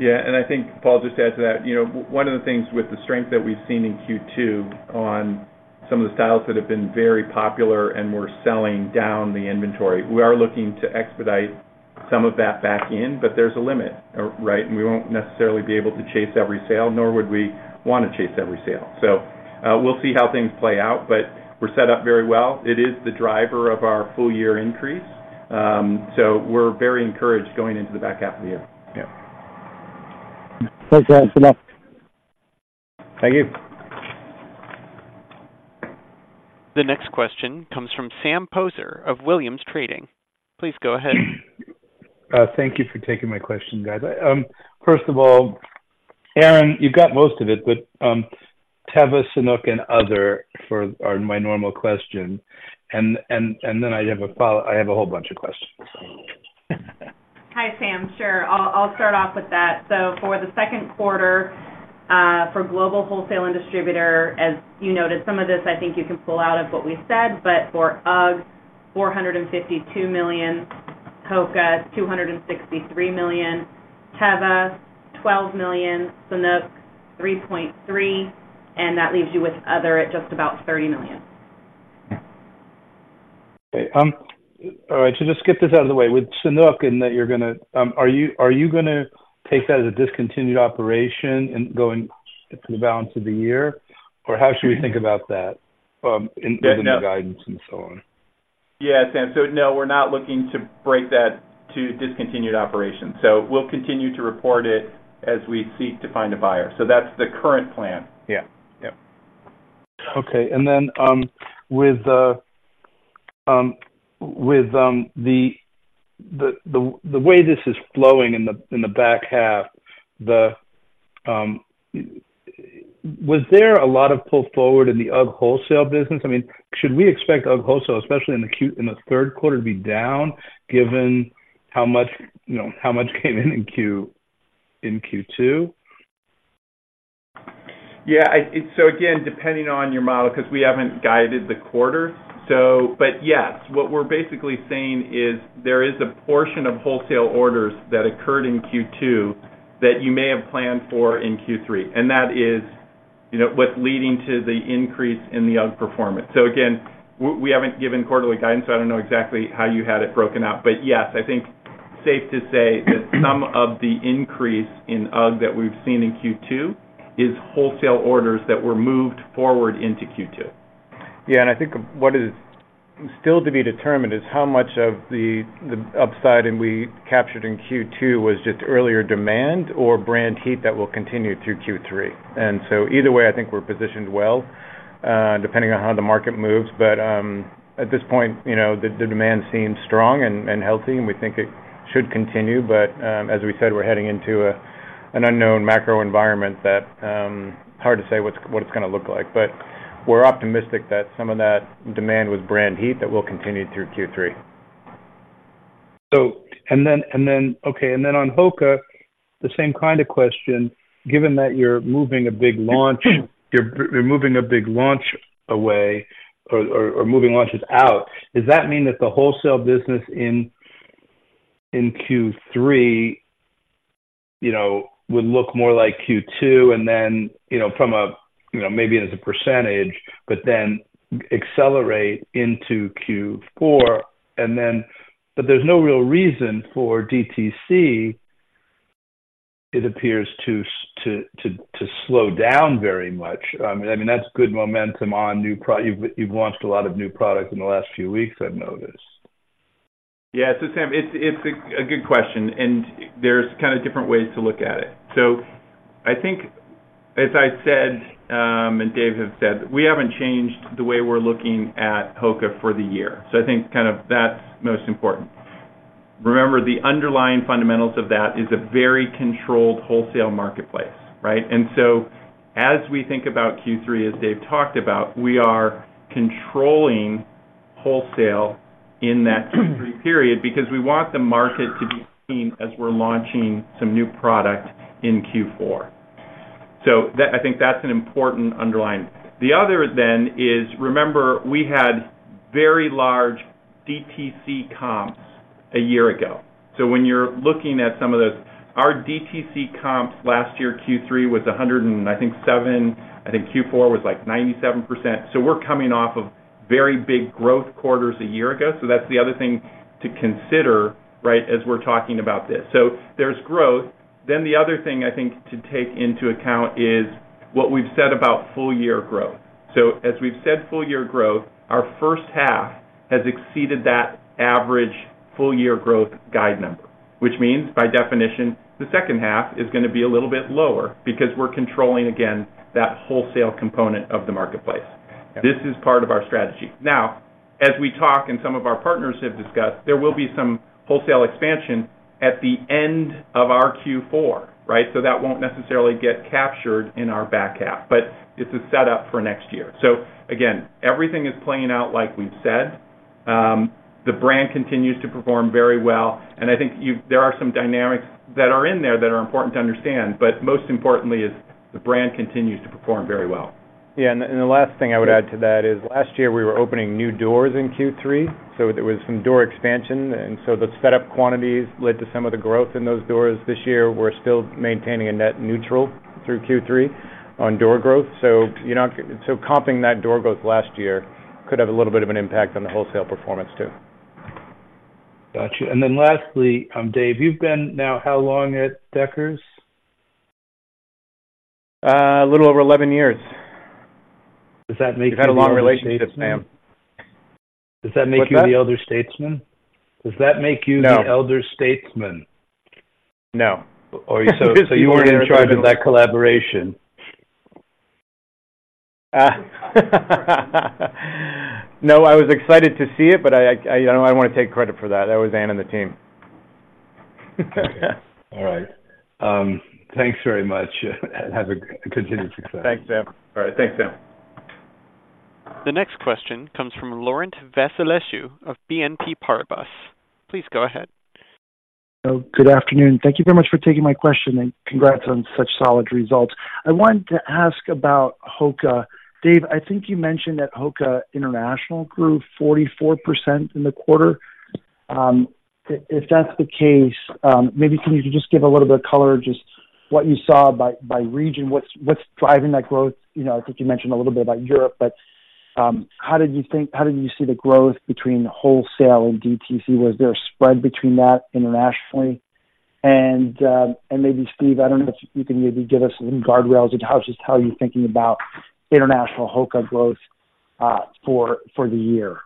Yeah, and I think, Paul, just to add to that, you know, one of the things with the strength that we've seen in Q2 on some of the styles that have been very popular and we're selling down the inventory, we are looking to expedite some of that back in, but there's a limit, right? And we won't necessarily be able to chase every sale, nor would we want to chase every sale. So, we'll see how things play out, but we're set up very well. It is the driver of our full year increase. So we're very encouraged going into the back half of the year. Thanks, guys. Enough. Thank you. The next question comes from Sam Poser of Williams Trading. Please go ahead. Thank you for taking my question, guys. First of all, Erinn, you got most of it, but Teva, Sanuk and other for-- are my normal question. And then I have a follow. I have a whole bunch of questions. Hi, Sam. Sure. I'll start off with that. So for the second quarter, for global wholesale and distributor, as you noted, some of this I think you can pull out of what we said, but for UGG, $452 million, HOKA, $263 million, Teva, $12 million, Sanuk, $3.3 million, and that leaves you with other at just about $30 million. Okay. All right, so just get this out of the way. With Sanuk and that you're gonna, are you, are you gonna take that as a discontinued operation and going into the balance of the year? Or how should we think about that, in the guidance and so on? Yes, Sam. So no, we're not looking to break that to discontinued operations. So we'll continue to report it as we seek to find a buyer. So that's the current plan. Yeah. Yeah. Okay. And then, with the way this is flowing in the back half, was there a lot of pull forward in the UGG wholesale business? I mean, should we expect UGG wholesale, especially in the third quarter, to be down, given how much, you know, how much came in in Q2? Yeah, so again, depending on your model, because we haven't guided the quarter. So, but yes, what we're basically saying is there is a portion of wholesale orders that occurred in Q2 that you may have planned for in Q3, and that is, you know, what's leading to the increase in the UGG performance. So again, we haven't given quarterly guidance, so I don't know exactly how you had it broken out. But yes, I think it's safe to say that some of the increase in UGG that we've seen in Q2 is wholesale orders that were moved forward into Q2. Yeah, I think what is still to be determined is how much of the upside we captured in Q2 was just earlier demand or brand heat that will continue through Q3. Either way, I think we're positioned well, you know, depending on how the market moves. At this point, you know, the demand seems strong and healthy, and we think it should continue. As we said, we're heading into an unknown macro environment that is hard to say what it's gonna look like. We're optimistic that some of that demand was brand heat that will continue through Q3. And then on HOKA, the same kind of question: Given that you're moving a big launch away or moving launches out, does that mean that the wholesale business in Q3, you know, would look more like Q2, and then, you know, maybe as a percentage, but then accelerate into Q4. But there's no real reason for DTC, it appears to slow down very much. I mean, that's good momentum on new products. You've launched a lot of new products in the last few weeks, I've noticed. Yeah. Sam, it's a good question, and there's kind of different ways to look at it. I think, as I said, and Dave has said, we haven't changed the way we're looking at HOKA for the year. I think that's most important. Remember, the underlying fundamentals of that is a very controlled wholesale marketplace, right? As we think about Q3, as Dave talked about, we are controlling wholesale in that Q3 period because we want the market to be seen as we're launching some new product in Q4. I think that's an important underlying. The other then is, remember, we had very large DTC comps a year ago. When you're looking at some of those, our DTC comps last year, Q3, was 107; I think Q4 was, like, 97%. So we're coming off of very big growth quarters a year ago. So that's the other thing to consider, right, as we're talking about this. So there's growth. Then the other thing I think to take into account is what we've said about full year growth. So as we've said full year growth, our first half has exceeded that average full year growth guide number, which means, by definition, the second half is gonna be a little bit lower because we're controlling, again, that wholesale component of the marketplace. This is part of our strategy. Now, as we talk and some of our partners have discussed, there will be some wholesale expansion at the end of our Q4, right? So that won't necessarily get captured in our back half, but it's a set up for next year. So again, everything is playing out like we've said. The brand continues to perform very well, and I think there are some dynamics that are in there that are important to understand, but most importantly is the brand continues to perform very well. Yeah, and the last thing I would add to that is, last year we were opening new doors in Q3, so there was some door expansion, and so the set up quantities led to some of the growth in those doors. This year, we're still maintaining a net neutral through Q3 on door growth. So, you know, so comping that door growth last year could have a little bit of an impact on the wholesale performance, too. Got you. And then lastly, Dave, you've been now how long at Deckers? A little over 11 years. Does that make you- We've had a long relationship, Sam. Does that make you- What's that? the elder statesman? Does that make you the elder statesman? No. You were in charge of that collaboration? No, I was excited to see it, but I don't want to take credit for that. That was Anne and the team. Okay. All right. Thanks very much, and have a continued success. Thanks, Sam. All right. Thanks, Sam. The next question comes from Laurent Vasilescu of BNP Paribas. Please go ahead. Good afternoon. Thank you very much for taking my question, and congrats on such solid results. I wanted to ask about HOKA. Dave, I think you mentioned that HOKA International grew 44% in the quarter. If that's the case, maybe can you just give a little bit of color, just what you saw by, by region? What's driving that growth? You know, I think you mentioned a little bit about Europe, but how did you think-- how did you see the growth between wholesale and DTC? Was there a spread between that internationally? Maybe, Steve, I don't know if you can maybe give us some guardrails into how-- just how you're thinking about international HOKA growth, for the year.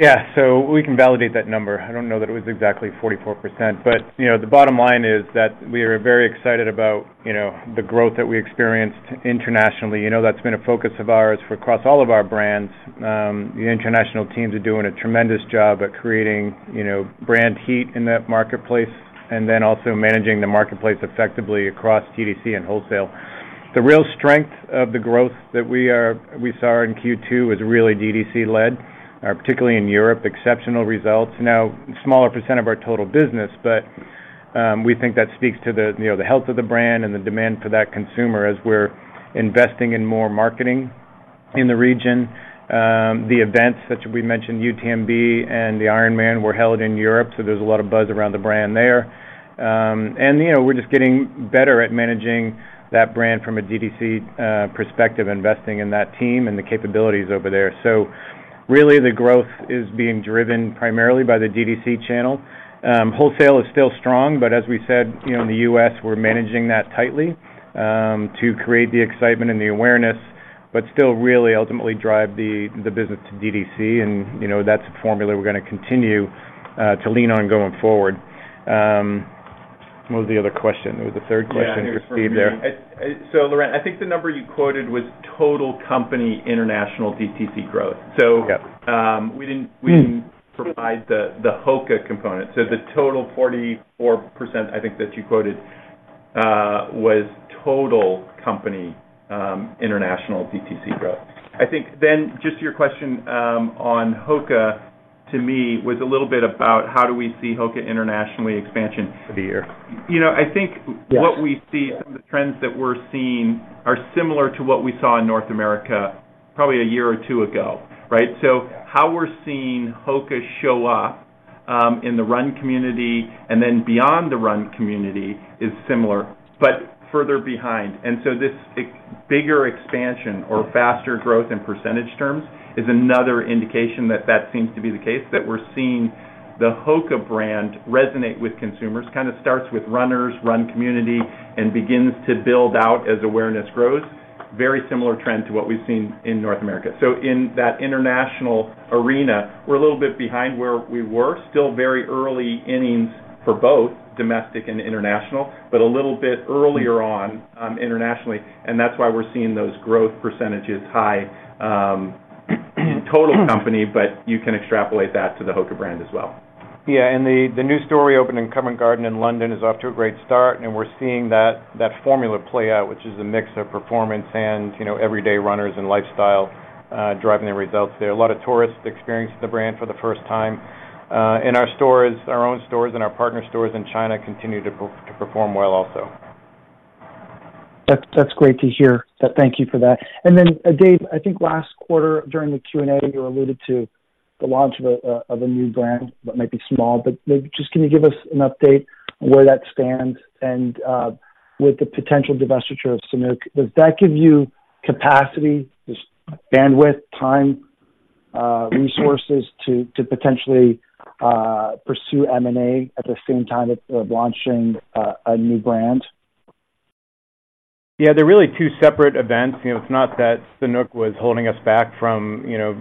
Yeah. So we can validate that number. I don't know that it was exactly 44%, but, you know, the bottom line is that we are very excited about, you know, the growth that we experienced internationally. You know, that's been a focus of ours for across all of our brands. The international teams are doing a tremendous job at creating, you know, brand heat in that marketplace, and then also managing the marketplace effectively across DTC and wholesale. The real strength of the growth that we saw in Q2 was really DTC led, particularly in Europe, exceptional results. Now, smaller percent of our total business, but, we think that speaks to the, you know, the health of the brand and the demand for that consumer as we're investing in more marketing in the region. The events, such as we mentioned, UTMB and the Ironman, were held in Europe, so there's a lot of buzz around the brand there. And, you know, we're just getting better at managing that brand from a DTC perspective, investing in that team and the capabilities over there. So really, the growth is being driven primarily by the DTC channel. Wholesale is still strong, but as we said, you know, in the U.S., we're managing that tightly to create the excitement and the awareness, but still really ultimately drive the business to DTC, and, you know, that's a formula we're gonna continue to lean on going forward. What was the other question? There was a third question for Steve there. So, Laurent, I think the number you quoted was total company international DTC growth. Yeah. So, we didn't provide the HOKA component. So the total 44%, I think that you quoted, was total company international DTC growth. I think then just your question on HOKA, to me was a little bit about how do we see HOKA internationally expansion for the year. You know, I think what we see, some of the trends that we're seeing are similar to what we saw in North America probably a year or two ago, right? Yeah. So how we're seeing HOKA show up in the run community, and then beyond the run community is similar, but further behind. And so this bigger expansion or faster growth in percentage terms is another indication that that seems to be the case, that we're seeing the HOKA brand resonate with consumers. Kind of starts with runners, run community, and begins to build out as awareness grows. Very similar trend to what we've seen in North America. So in that international arena, we're a little bit behind where we were. Still very early innings for both domestic and international, but a little bit earlier on internationally, and that's why we're seeing those growth percentages high in total company, but you can extrapolate that to the HOKA brand as well. Yeah, and the new store opened in Covent Garden in London is off to a great start, and we're seeing that formula play out, which is a mix of performance and, you know, everyday runners and lifestyle driving the results there. A lot of tourists experience the brand for the first time in our stores. Our own stores and our partner stores in China continue to perform well also. That's, that's great to hear. So thank you for that. And then, Dave, I think last quarter, during the Q&A, you alluded to the launch of a, of a new brand that might be small, but maybe just can you give us an update on where that stands and, with the potential divestiture of Sanuk, does that give you capacity, just bandwidth, time, resources to, to potentially, pursue M&A at the same time as of launching a new brand? Yeah, they're really two separate events. You know, it's not that Sanuk was holding us back from, you know,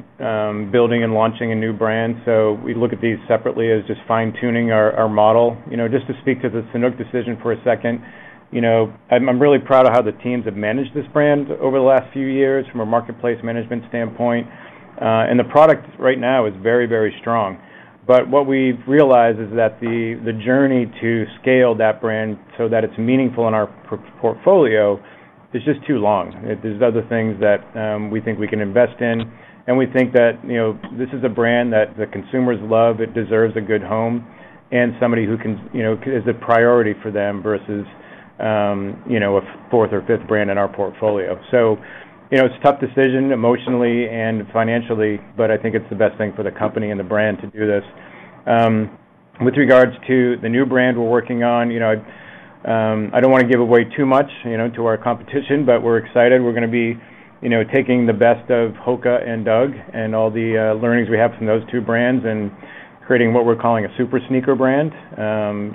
building and launching a new brand. So we look at these separately as just fine-tuning our model. You know, just to speak to the Sanuk decision for a second, you know, I'm really proud of how the teams have managed this brand over the last few years from a marketplace management standpoint, and the product right now is very, very strong. But what we've realized is that the journey to scale that brand so that it's meaningful in our portfolio is just too long. There's other things that we think we can invest in, and we think that, you know, this is a brand that the consumers love. It deserves a good home and somebody who can, you know, is a priority for them versus, you know, a fourth or fifth brand in our portfolio. You know, it's a tough decision emotionally and financially, but I think it's the best thing for the company and the brand to do this. With regards to the new brand we're working on, you know, I don't want to give away too much, you know, to our competition, but we're excited. We're gonna be, you know, taking the best of HOKA and UGG and all the, you know, learnings we have from those two brands and creating what we're calling a super sneaker brand,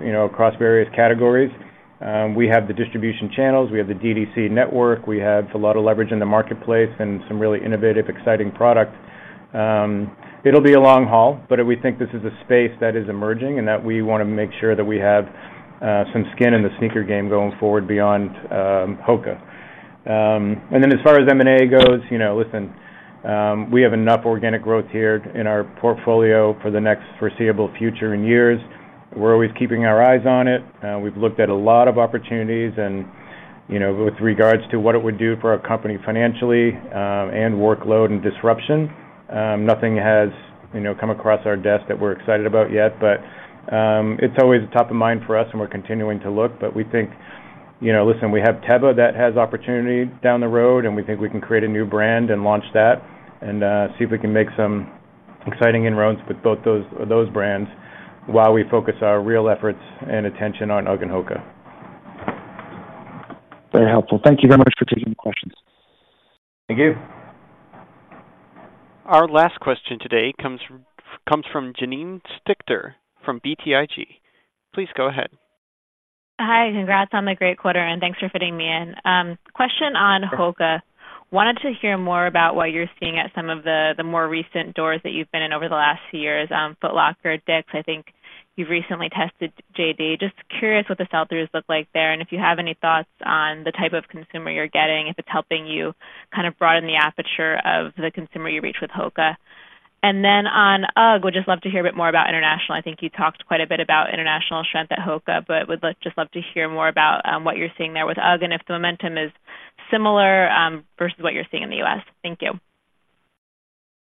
you know, across various categories. We have the distribution channels, we have the DTC network. We have a lot of leverage in the marketplace and some really innovative, exciting products. It'll be a long haul, but we think this is a space that is emerging and that we want to make sure that we have some skin in the sneaker game going forward beyond HOKA. And then as far as M&A goes, you know, listen, we have enough organic growth here in our portfolio for the next foreseeable future in years. We're always keeping our eyes on it. We've looked at a lot of opportunities, and, you know, with regards to what it would do for our company financially, and workload and disruption, nothing has, you know, come across our desk that we're excited about yet, but it's always top of mind for us, and we're continuing to look. But we think, you know, listen, we have Teva that has opportunity down the road, and we think we can create a new brand and launch that and see if we can make some exciting inroads with both those, those brands while we focus our real efforts and attention on UGG and HOKA. Very helpful. Thank you very much for taking the questions. Thank you. Our last question today comes from Janine Stichter from BTIG. Please go ahead. Hi, congrats on the great quarter, and thanks for fitting me in. Question on HOKA. Wanted to hear more about what you're seeing at some of the more recent doors that you've been in over the last few years, Foot Locker, Dick's, I think you've recently tested JD. Just curious what the sell-throughs look like there, and if you have any thoughts on the type of consumer you're getting, if it's helping you kind of broaden the aperture of the consumer you reach with HOKA. On UGG, would just love to hear a bit more about international. I think you talked quite a bit about international strength at HOKA, but would just love to hear more about what you're seeing there with UGG, and if the momentum is similar versus what you're seeing in the U.S. Thank you.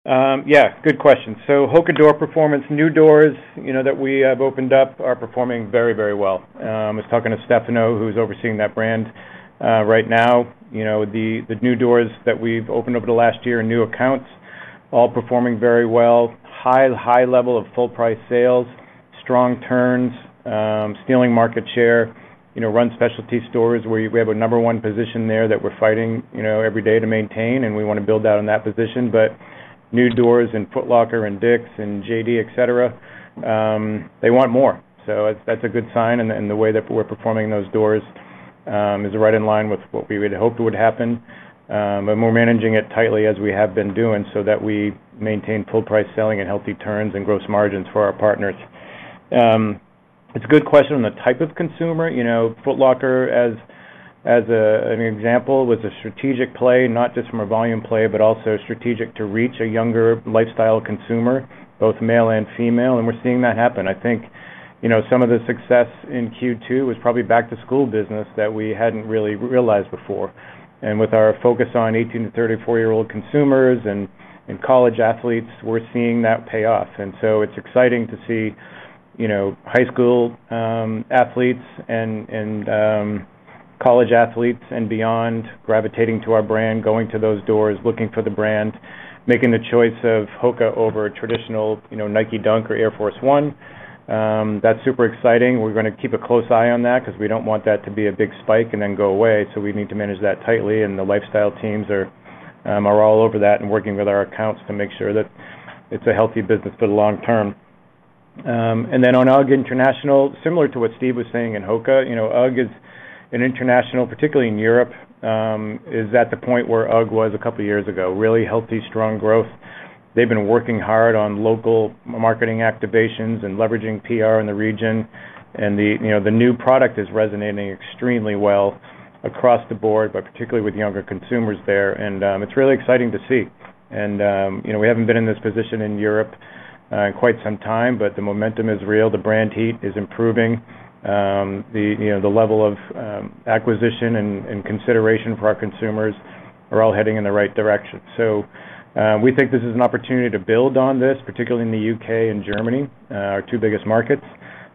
Yeah, good question. HOKA door performance, new doors, you know, that we have opened up are performing very, very well. I was talking to Stefano, who's overseeing that brand right now. You know, the new doors that we've opened over the last year in new accounts, all performing very well. High, high level of full price sales, strong turns, you know, stealing market share, you know, run specialty stores, where we have a number one position there that we're fighting, you know, every day to maintain, and we want to build out on that position. New doors in Foot Locker and Dick's and JD, et cetera, they want more. That's a good sign, and the way that we're performing those doors is right in line with what we would hoped would happen. But we're managing it tightly as we have been doing, so that we maintain full price selling and healthy turns and gross margins for our partners. It's a good question on the type of consumer. You know, Foot Locker, as an example, was a strategic play, not just from a volume play, but also strategic to reach a younger lifestyle consumer, both male and female, and we're seeing that happen. I think, you know, some of the success in Q2 was probably back to school business that we hadn't really realized before. And with our focus on 18 to 34-year-old consumers and college athletes, we're seeing that pay off. And so it's exciting to see, you know, high school athletes and college athletes and beyond gravitating to our brand, going to those doors, looking for the brand, making the choice of HOKA over a traditional, you know, Nike Dunk or Air Force 1. That's super exciting. We're gonna keep a close eye on that because we don't want that to be a big spike and then go away, so we need to manage that tightly, and the lifestyle teams are all over that and working with our accounts to make sure that it's a healthy business for the long term. And then on UGG International, similar to what Steve was saying in HOKA, you know, UGG is an international, particularly in Europe, is at the point where UGG was a couple of years ago, really healthy, strong growth. They've been working hard on local marketing activations and leveraging PR in the region, and, you know, the new product is resonating extremely well across the board, but particularly with younger consumers there. And, it's really exciting to see. And, you know, we haven't been in this position in Europe, in quite some time, but the momentum is real, the brand heat is improving. The, you know, the level of, acquisition and consideration for our consumers are all heading in the right direction. So, we think this is an opportunity to build on this, particularly in the UK and Germany, our two biggest markets.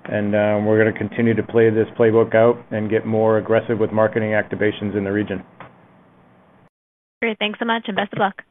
And, we're gonna continue to play this playbook out and get more aggressive with marketing activations in the region. Great. Thanks so much, and best of luck.